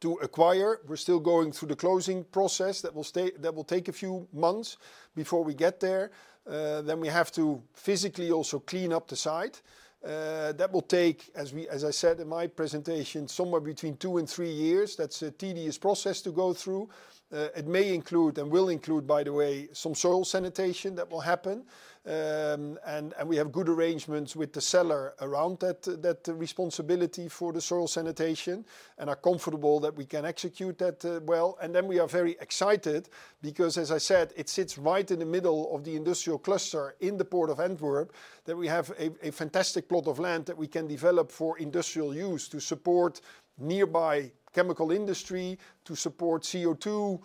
[SPEAKER 2] to acquire. We're still going through the closing process. That will take a few months before we get there. We have to physically also clean up the site. That will take, as I said in my presentation, somewhere between two and three years. That's a tedious process to go through. It may include, and will include, by the way, some soil sanitation that will happen. We have good arrangements with the seller around that responsibility for the soil sanitation and are comfortable that we can execute that well. We are very excited because, as I said, it sits right in the middle of the industrial cluster in the Port of Antwerp, that we have a fantastic plot of land that we can develop for industrial use to support nearby chemical industry, to support CO2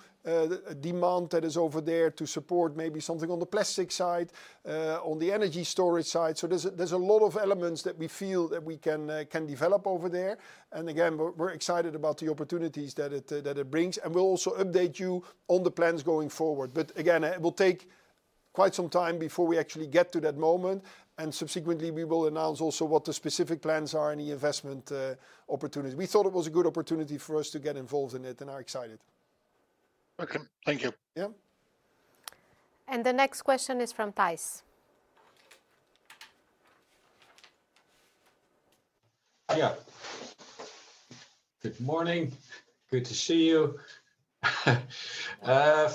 [SPEAKER 2] demand that is over there, to support maybe something on the plastic side, on the energy storage side. There's a lot of elements that we feel that we can develop over there. Again, we're excited about the opportunities that it brings, and we'll also update you on the plans going forward. Again, it will take quite some time before we actually get to that moment, and subsequently we will announce also what the specific plans are and the investment opportunities. We thought it was a good opportunity for us to get involved in it and are excited.
[SPEAKER 4] Okay. Thank you.
[SPEAKER 2] Yeah.
[SPEAKER 4] The next question is from Thijs.
[SPEAKER 8] Good morning. Good to see you.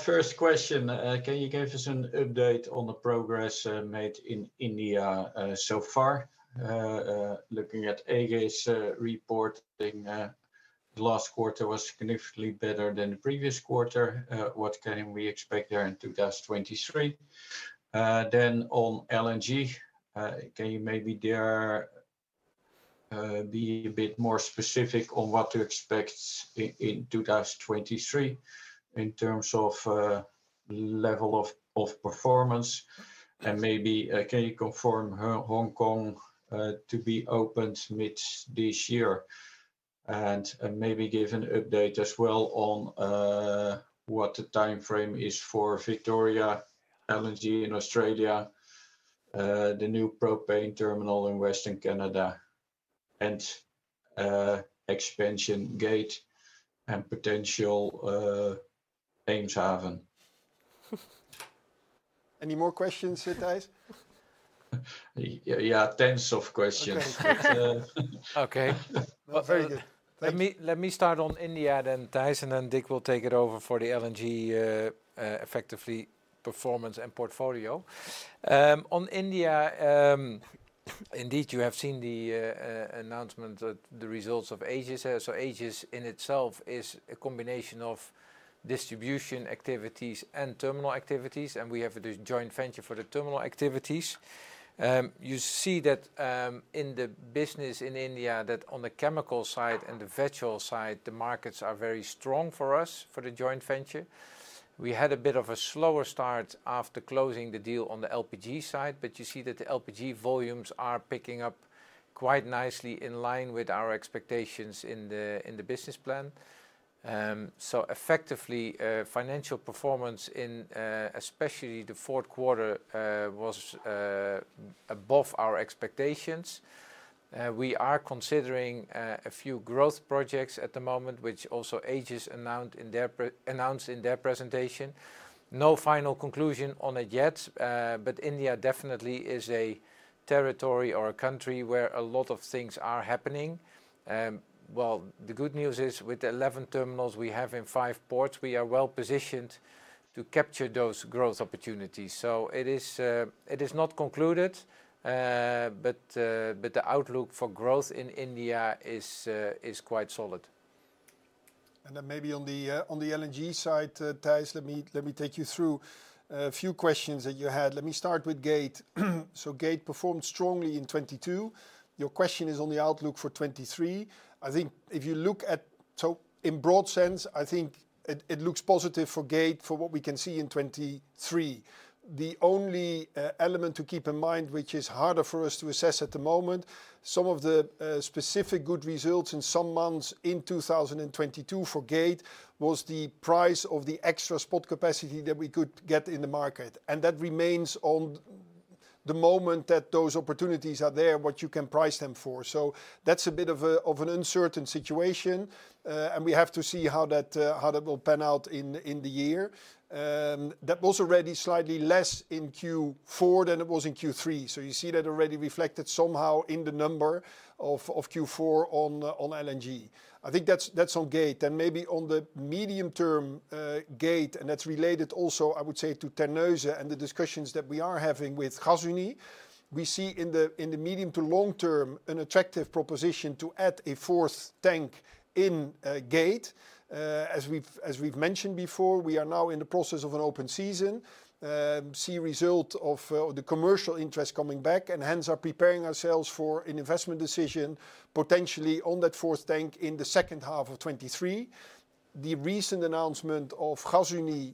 [SPEAKER 8] First question. Can you give us an update on the progress made in India so far? Looking at Aegis's reporting, the last quarter was significantly better than the previous quarter. What can we expect there in 2023? On LNG, can you maybe there be a bit more specific on what to expect in 2023 in terms of level of performance? Maybe, can you confirm Hong Kong to be opened mid this year? Maybe give an update as well on what the timeframe is for Victoria LNG in Australia, the new propane terminal in Western Canada, and expansion Gate and potential Eemshaven.
[SPEAKER 2] Any more questions here, Thijs?
[SPEAKER 8] Yeah, tons of questions.
[SPEAKER 2] Okay.
[SPEAKER 3] Okay.
[SPEAKER 2] Well, very good. Thank you.
[SPEAKER 3] Let me start on India then, Thijs, and then Dick will take it over for the LNG effectively performance and portfolio. On India, indeed, you have seen the announcement that the results of Aegis. Aegis in itself is a combination of distribution activities and terminal activities, and we have the joint venture for the terminal activities. You see that in the business in India, that on the chemical side and the vegetable side, the markets are very strong for us, for the joint venture. We had a bit of a slower start after closing the deal on the LPG side. You see that the LPG volumes are picking up quite nicely in line with our expectations in the business plan. Effectively, financial performance in, especially the fourth quarter, was above our expectations. We are considering a few growth projects at the moment, which also Aegis pre-announced in their presentation. No final conclusion on it yet. India definitely is a territory or a country where a lot of things are happening. Well, the good news is, with 11 terminals we have in five ports, we are well-positioned to capture those growth opportunities. It is not concluded, but the outlook for growth in India is quite solid.
[SPEAKER 2] Then maybe on the LNG side, Thijs, let me take you through a few questions that you had. Let me start with Gate. Gate performed strongly in 2022. Your question is on the outlook for 2023. I think if you look at. In broad sense, I think it looks positive for Gate for what we can see in 2023. The only element to keep in mind, which is harder for us to assess at the moment, some of the specific good results in some months in 2022 for Gate was the price of the extra spot capacity that we could get in the market. That remains on the moment that those opportunities are there, what you can price them for. That's a bit of a, of an uncertain situation, and we have to see how that, how that will pan out in the year. That was already slightly less in Q4 than it was in Q3, so you see that already reflected somehow in the number of Q4 on LNG. I think that's on Gate. Maybe on the medium-term, Gate, and that's related also, I would say, to Terneuzen and the discussions that we are having with Gasunie. We see in the, in the medium to long term, an attractive proposition to add a fourth tank in, Gate. As we've, as we've mentioned before, we are now in the process of an open season. See result of the commercial interest coming back and hence are preparing ourselves for an investment decision potentially on that fourth tank in the second half of 2023. The recent announcement of Gasunie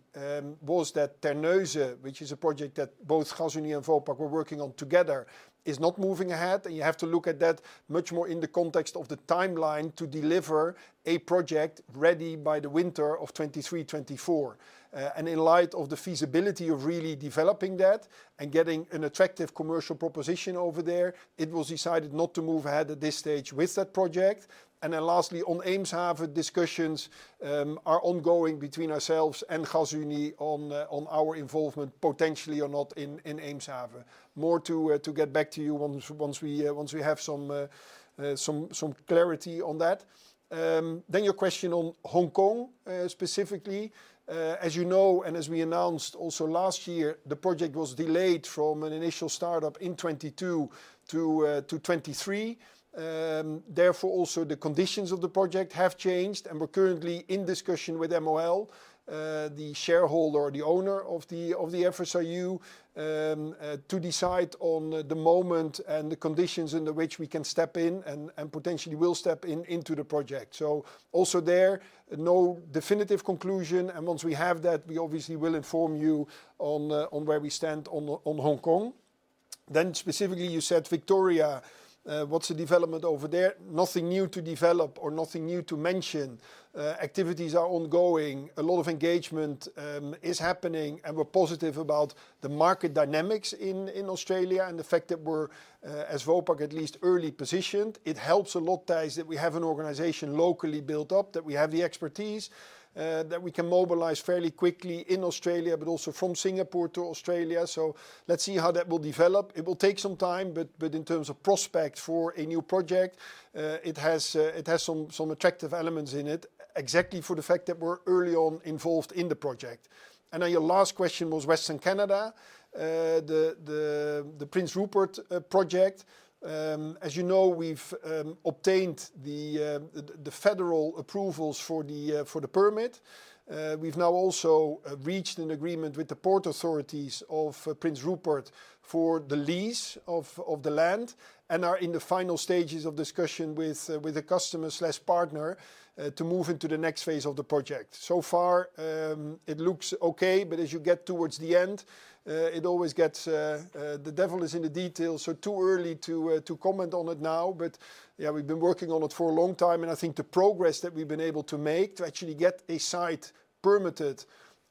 [SPEAKER 2] was that Terneuzen, which is a project that both Gasunie and Vopak were working on together, is not moving ahead. You have to look at that much more in the context of the timeline to deliver a project ready by the winter of 2023/2024. In light of the feasibility of really developing that and getting an attractive commercial proposition over there, it was decided not to move ahead at this stage with that project. Lastly, on Eemshaven, discussions are ongoing between ourselves and Gasunie on our involvement, potentially or not, in Eemshaven. More to get back to you once we, once we have some clarity on that. Your question on Hong Kong specifically. As you know, and as we announced also last year, the project was delayed from an initial startup in 2022 to 2023. Therefore, also the conditions of the project have changed, and we're currently in discussion with MOL, the shareholder or the owner of the FSRU, to decide on the moment and the conditions under which we can step in and potentially will step in, into the project. Also there, no definitive conclusion, and once we have that, we obviously will inform you on where we stand on Hong Kong. Specifically you said Victoria, what's the development over there? Nothing new to develop or nothing new to mention. Activities are ongoing. A lot of engagement is happening, and we're positive about the market dynamics in Australia and the fact that we're, as Vopak at least, early positioned. It helps a lot, Thijs, that we have an organization locally built up, that we have the expertise that we can mobilize fairly quickly in Australia, but also from Singapore to Australia. Let's see how that will develop. It will take some time, but in terms of prospect for a new project, it has some attractive elements in it, exactly for the fact that we're early on involved in the project. Now your last question was Western Canada. The Prince Rupert project. As you know, we've obtained the federal approvals for the permit. We've now also reached an agreement with the port authorities of Prince Rupert for the lease of the land and are in the final stages of discussion with the customer/partner to move into the next phase of the project. So far, it looks okay, but as you get towards the end, it always gets... The devil is in the details, too early to comment on it now. Yeah, we've been working on it for a long time, and I think the progress that we've been able to make to actually get a site permitted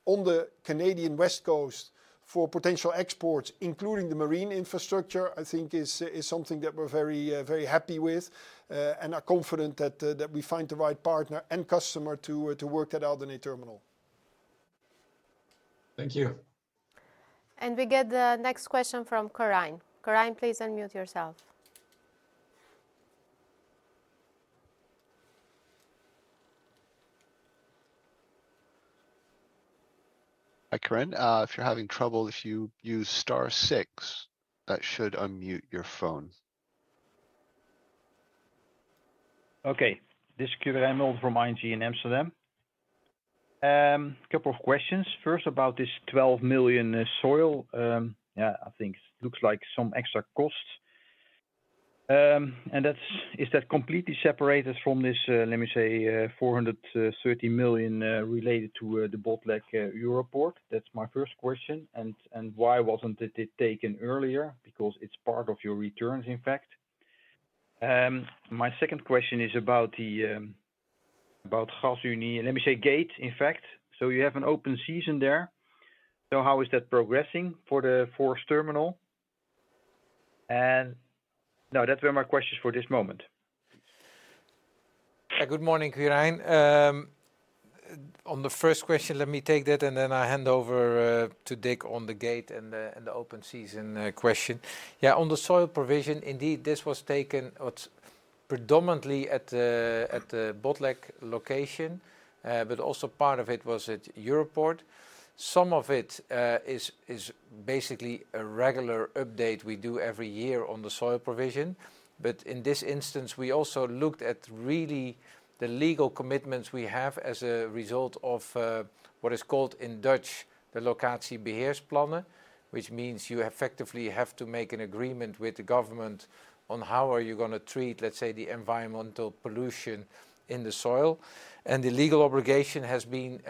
[SPEAKER 2] on the Canadian west coast for potential exports, including the marine infrastructure, I think is something that we're very happy with and are confident that we find the right partner and customer to work that out in a terminal.
[SPEAKER 3] Thank you.
[SPEAKER 4] We get the next question from Quirijn. Quirijn, please unmute yourself. Hi, Quirijn. If you're having trouble, if you use star 6, that should unmute your phone.
[SPEAKER 9] Okay. This is Quirijn Mulder from ING in Amsterdam. Couple of questions. First, about this 12 million soil. I think looks like some extra costs. Is that completely separated from this, let me say, 430 million, related to, the Botlek Europoort? That's my first question. Why wasn't it taken earlier? Because it's part of your returns, in fact. My second question is about Gasunie, let me say Gate, in fact. You have an open season there. How is that progressing for the fourth terminal? No, that's were my questions for this moment.
[SPEAKER 3] Good morning, Quirijn. On the first question, let me take that, and then I hand over to Dick on the Gate and the open season question. On the soil provision, indeed, this was taken predominantly at the Botlek location, but also part of it was at Europoort. Some of it is basically a regular update we do every year on the soil provision. In this instance, we also looked at really the legal commitments we have as a result of what is called in Dutch, the Locatiebeheerplan, which means you effectively have to make an agreement with the government on how are you gonna treat, let's say, the environmental pollution in the soil. The legal obligation has been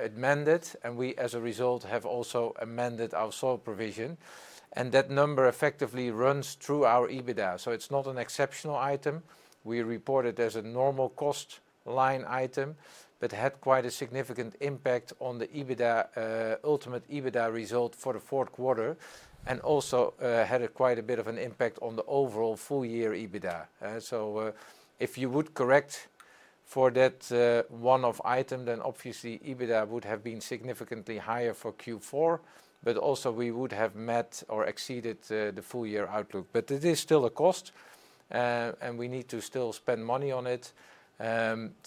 [SPEAKER 3] amended, and we, as a result, have also amended our soil provision. That number effectively runs through our EBITDA. It's not an exceptional item. We report it as a normal cost line item, but had quite a significant impact on the EBITDA ultimate EBITDA result for the fourth quarter, and also had a quite a bit of an impact on the overall full year EBITDA. If you would correct for that one-off item, then obviously EBITDA would have been significantly higher for Q4, but also we would have met or exceeded the full year outlook. It is still a cost, and we need to still spend money on it.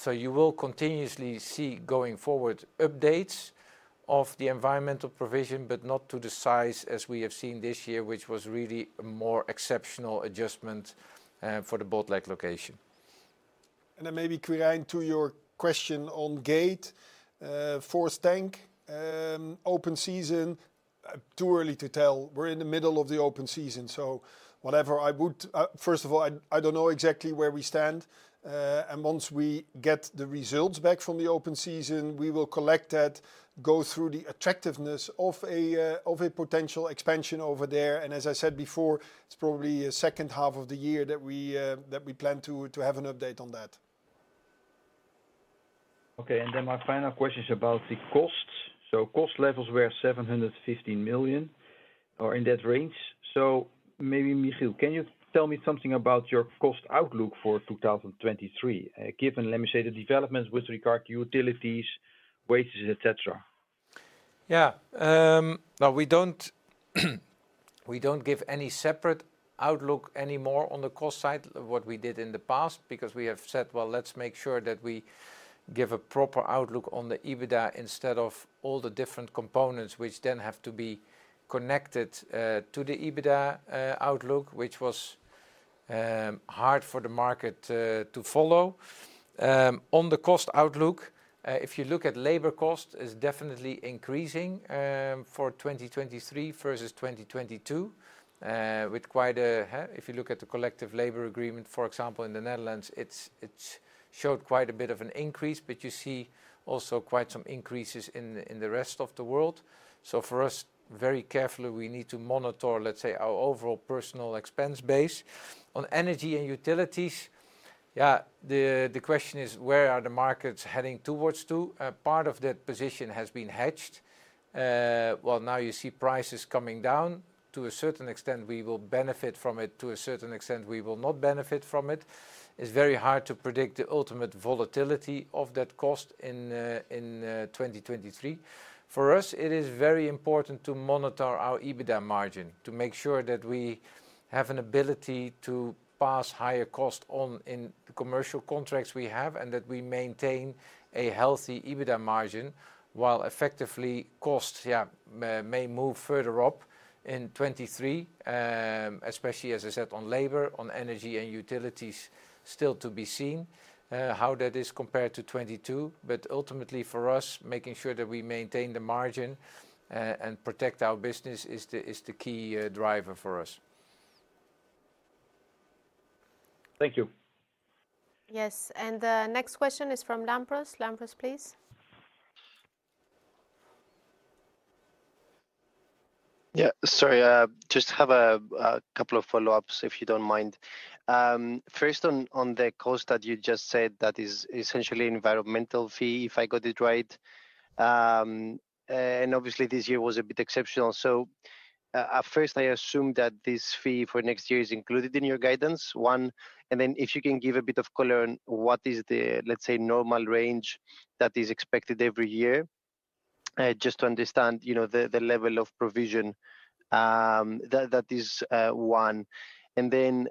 [SPEAKER 3] You will continuously see going forward, updates of the environmental provision, but not to the size as we have seen this year, which was really a more exceptional adjustment for the Botlek location.
[SPEAKER 2] Maybe, Quirijn, to your question on Gate, 4th tank, open season, too early to tell. We're in the middle of the open season, so whatever. I would, first of all, I don't know exactly where we stand, and once we get the results back from the open season, we will collect that, go through the attractiveness of a potential expansion over there. As I said before, it's probably a 2nd half of the year that we plan to have an update on that.
[SPEAKER 9] My final question is about the costs. Cost levels were 715 million or in that range. Maybe, Michiel, can you tell me something about your cost outlook for 2023, given, let me say, the developments with regard to utilities, wages, et cetera?
[SPEAKER 3] No, we don't give any separate outlook anymore on the cost side of what we did in the past because we have said, well, let's make sure that we give a proper outlook on the EBITDA instead of all the different components which then have to be connected to the EBITDA outlook, which was hard for the market to follow. On the cost outlook, if you look at labor cost, is definitely increasing for 2023 versus 2022, with quite a, if you look at the collective labor agreement, for example, in the Netherlands, it showed quite a bit of an increase, but you see also quite some increases in the rest of the world. For us, very carefully, we need to monitor, let's say, our overall personal expense base. On energy and utilities, yeah, the question is where are the markets heading towards to? A part of that position has been hedged. Well, now you see prices coming down. To a certain extent, we will benefit from it. To a certain extent, we will not benefit from it. It's very hard to predict the ultimate volatility of that cost in 2023. For us, it is very important to monitor our EBITDA margin to make sure that we have an ability to pass higher cost on in the commercial contracts we have and that we maintain a healthy EBITDA margin while effectively costs, yeah, may move further up in 2023, especially, as I said, on labor. On energy and utilities, still to be seen, how that is compared to 2022. Ultimately for us, making sure that we maintain the margin, and protect our business is the key driver for us.
[SPEAKER 9] Thank you.
[SPEAKER 4] Yes. The next question is from Lampros. Lampros, please.
[SPEAKER 5] Sorry, just have a couple of follow-ups, if you don't mind. First on the cost that you just said that is essentially environmental fee, if I got it right. Obviously this year was a bit exceptional. At first, I assume that this fee for next year is included in your guidance, one. If you can give a bit of color on what is the, let's say, normal range that is expected every year, just to understand, you know, the level of provision that is, one.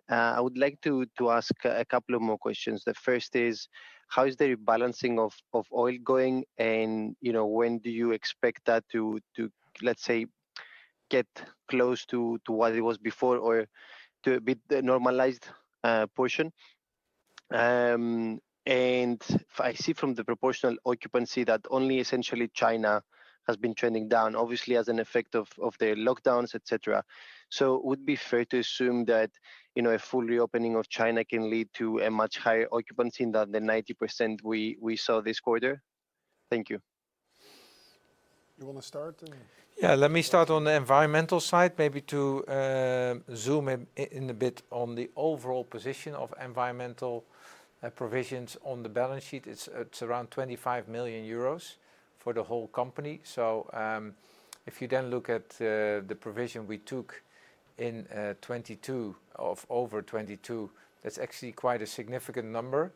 [SPEAKER 5] I would like to ask a couple of more questions. The first is, how is the rebalancing of oil going? You know, when do you expect that to, let's say, get close to what it was before or to a bit normalized portion? I see from the proportional occupancy that only essentially China has been trending down, obviously as an effect of the lockdowns, et cetera. Would it be fair to assume that, you know, a full reopening of China can lead to a much higher occupancy than the 90% we saw this quarter? Thank you.
[SPEAKER 2] You wanna start?
[SPEAKER 3] Let me start on the environmental side, maybe to zoom in a bit on the overall position of environmental provisions on the balance sheet. It's around €25 million for the whole company. If you then look at the provision we took in 2022 of over 2022, that's actually quite a significant number.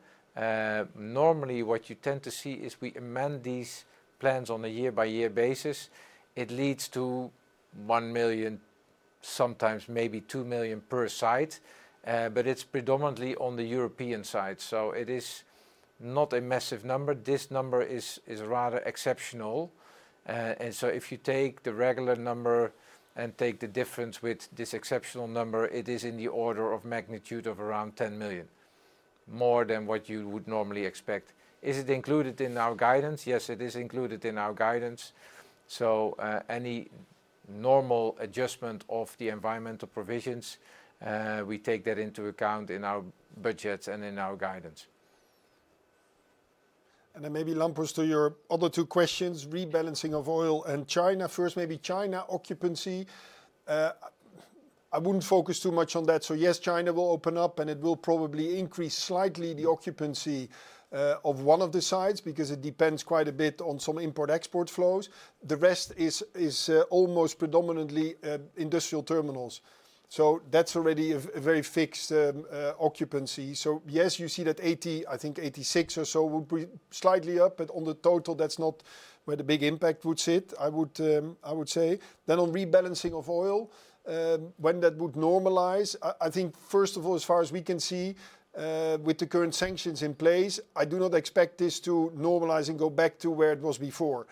[SPEAKER 3] Normally, what you tend to see is we amend these plans on a year-by-year basis. It leads to 1 million, sometimes maybe 2 million per site. It's predominantly on the European side, so it is not a massive number. This number is rather exceptional. If you take the regular number and take the difference with this exceptional number, it is in the order of magnitude of around 10 million, more than what you would normally expect. Is it included in our guidance? Yes, it is included in our guidance. Any normal adjustment of the environmental provisions, we take that into account in our budgets and in our guidance.
[SPEAKER 2] Maybe Lampros, to your other two questions, rebalancing of oil and China. First maybe China occupancy. I wouldn't focus too much on that. Yes, China will open up, and it will probably increase slightly the occupancy of one of the sides because it depends quite a bit on some import/export flows. The rest is almost predominantly industrial terminals, so that's already a very fixed occupancy. Yes, you see that 80, I think, 86 or so would be slightly up. On the total, that's not where the big impact would sit, I would say. On rebalancing of oil, when that would normalize, I think first of all, as far as we can see, with the current sanctions in place, I do not expect this to normalize and go back to where it was before.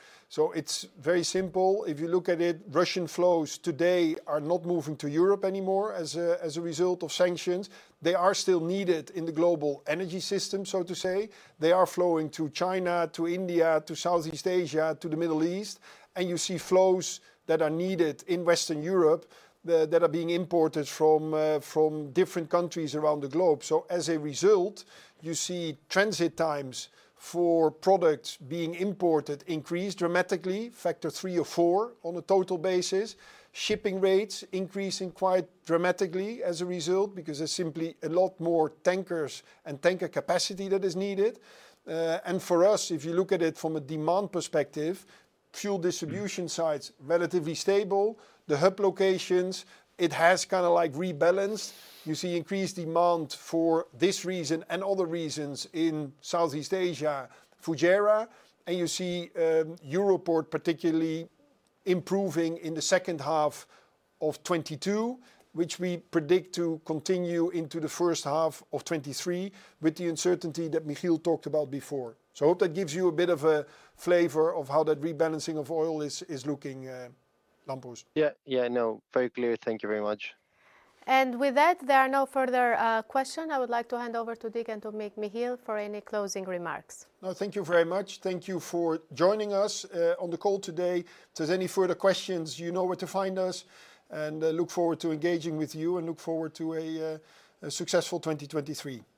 [SPEAKER 2] It's very simple. If you look at it, Russian flows today are not moving to Europe anymore as a result of sanctions. They are still needed in the global energy system, so to say. They are flowing to China, to India, to Southeast Asia, to the Middle East. You see flows that are needed in Western Europe that are being imported from different countries around the globe. As a result, you see transit times for products being imported increase dramatically, factor three or four on a total basis. Shipping rates increasing quite dramatically as a result because there's simply a lot more tankers and tanker capacity that is needed. For us, if you look at it from a demand perspective, fuel distribution sites relatively stable. The hub locations, it has kinda like rebalanced. You see increased demand for this reason and other reasons in Southeast Asia, Fujairah. You see, Europoort particularly improving in the second half of 2022, which we predict to continue into the first half of 2023 with the uncertainty that Michiel talked about before. Hope that gives you a bit of a flavor of how that rebalancing of oil is looking, Lampros.
[SPEAKER 5] Yeah. Yeah, no, very clear. Thank you very much.
[SPEAKER 4] With that, there are no further questions. I would like to hand over to Dick and to Michiel for any closing remarks.
[SPEAKER 2] No, thank you very much. Thank you for joining us on the call today. If there's any further questions, you know where to find us, and I look forward to engaging with you and look forward to a successful 2023.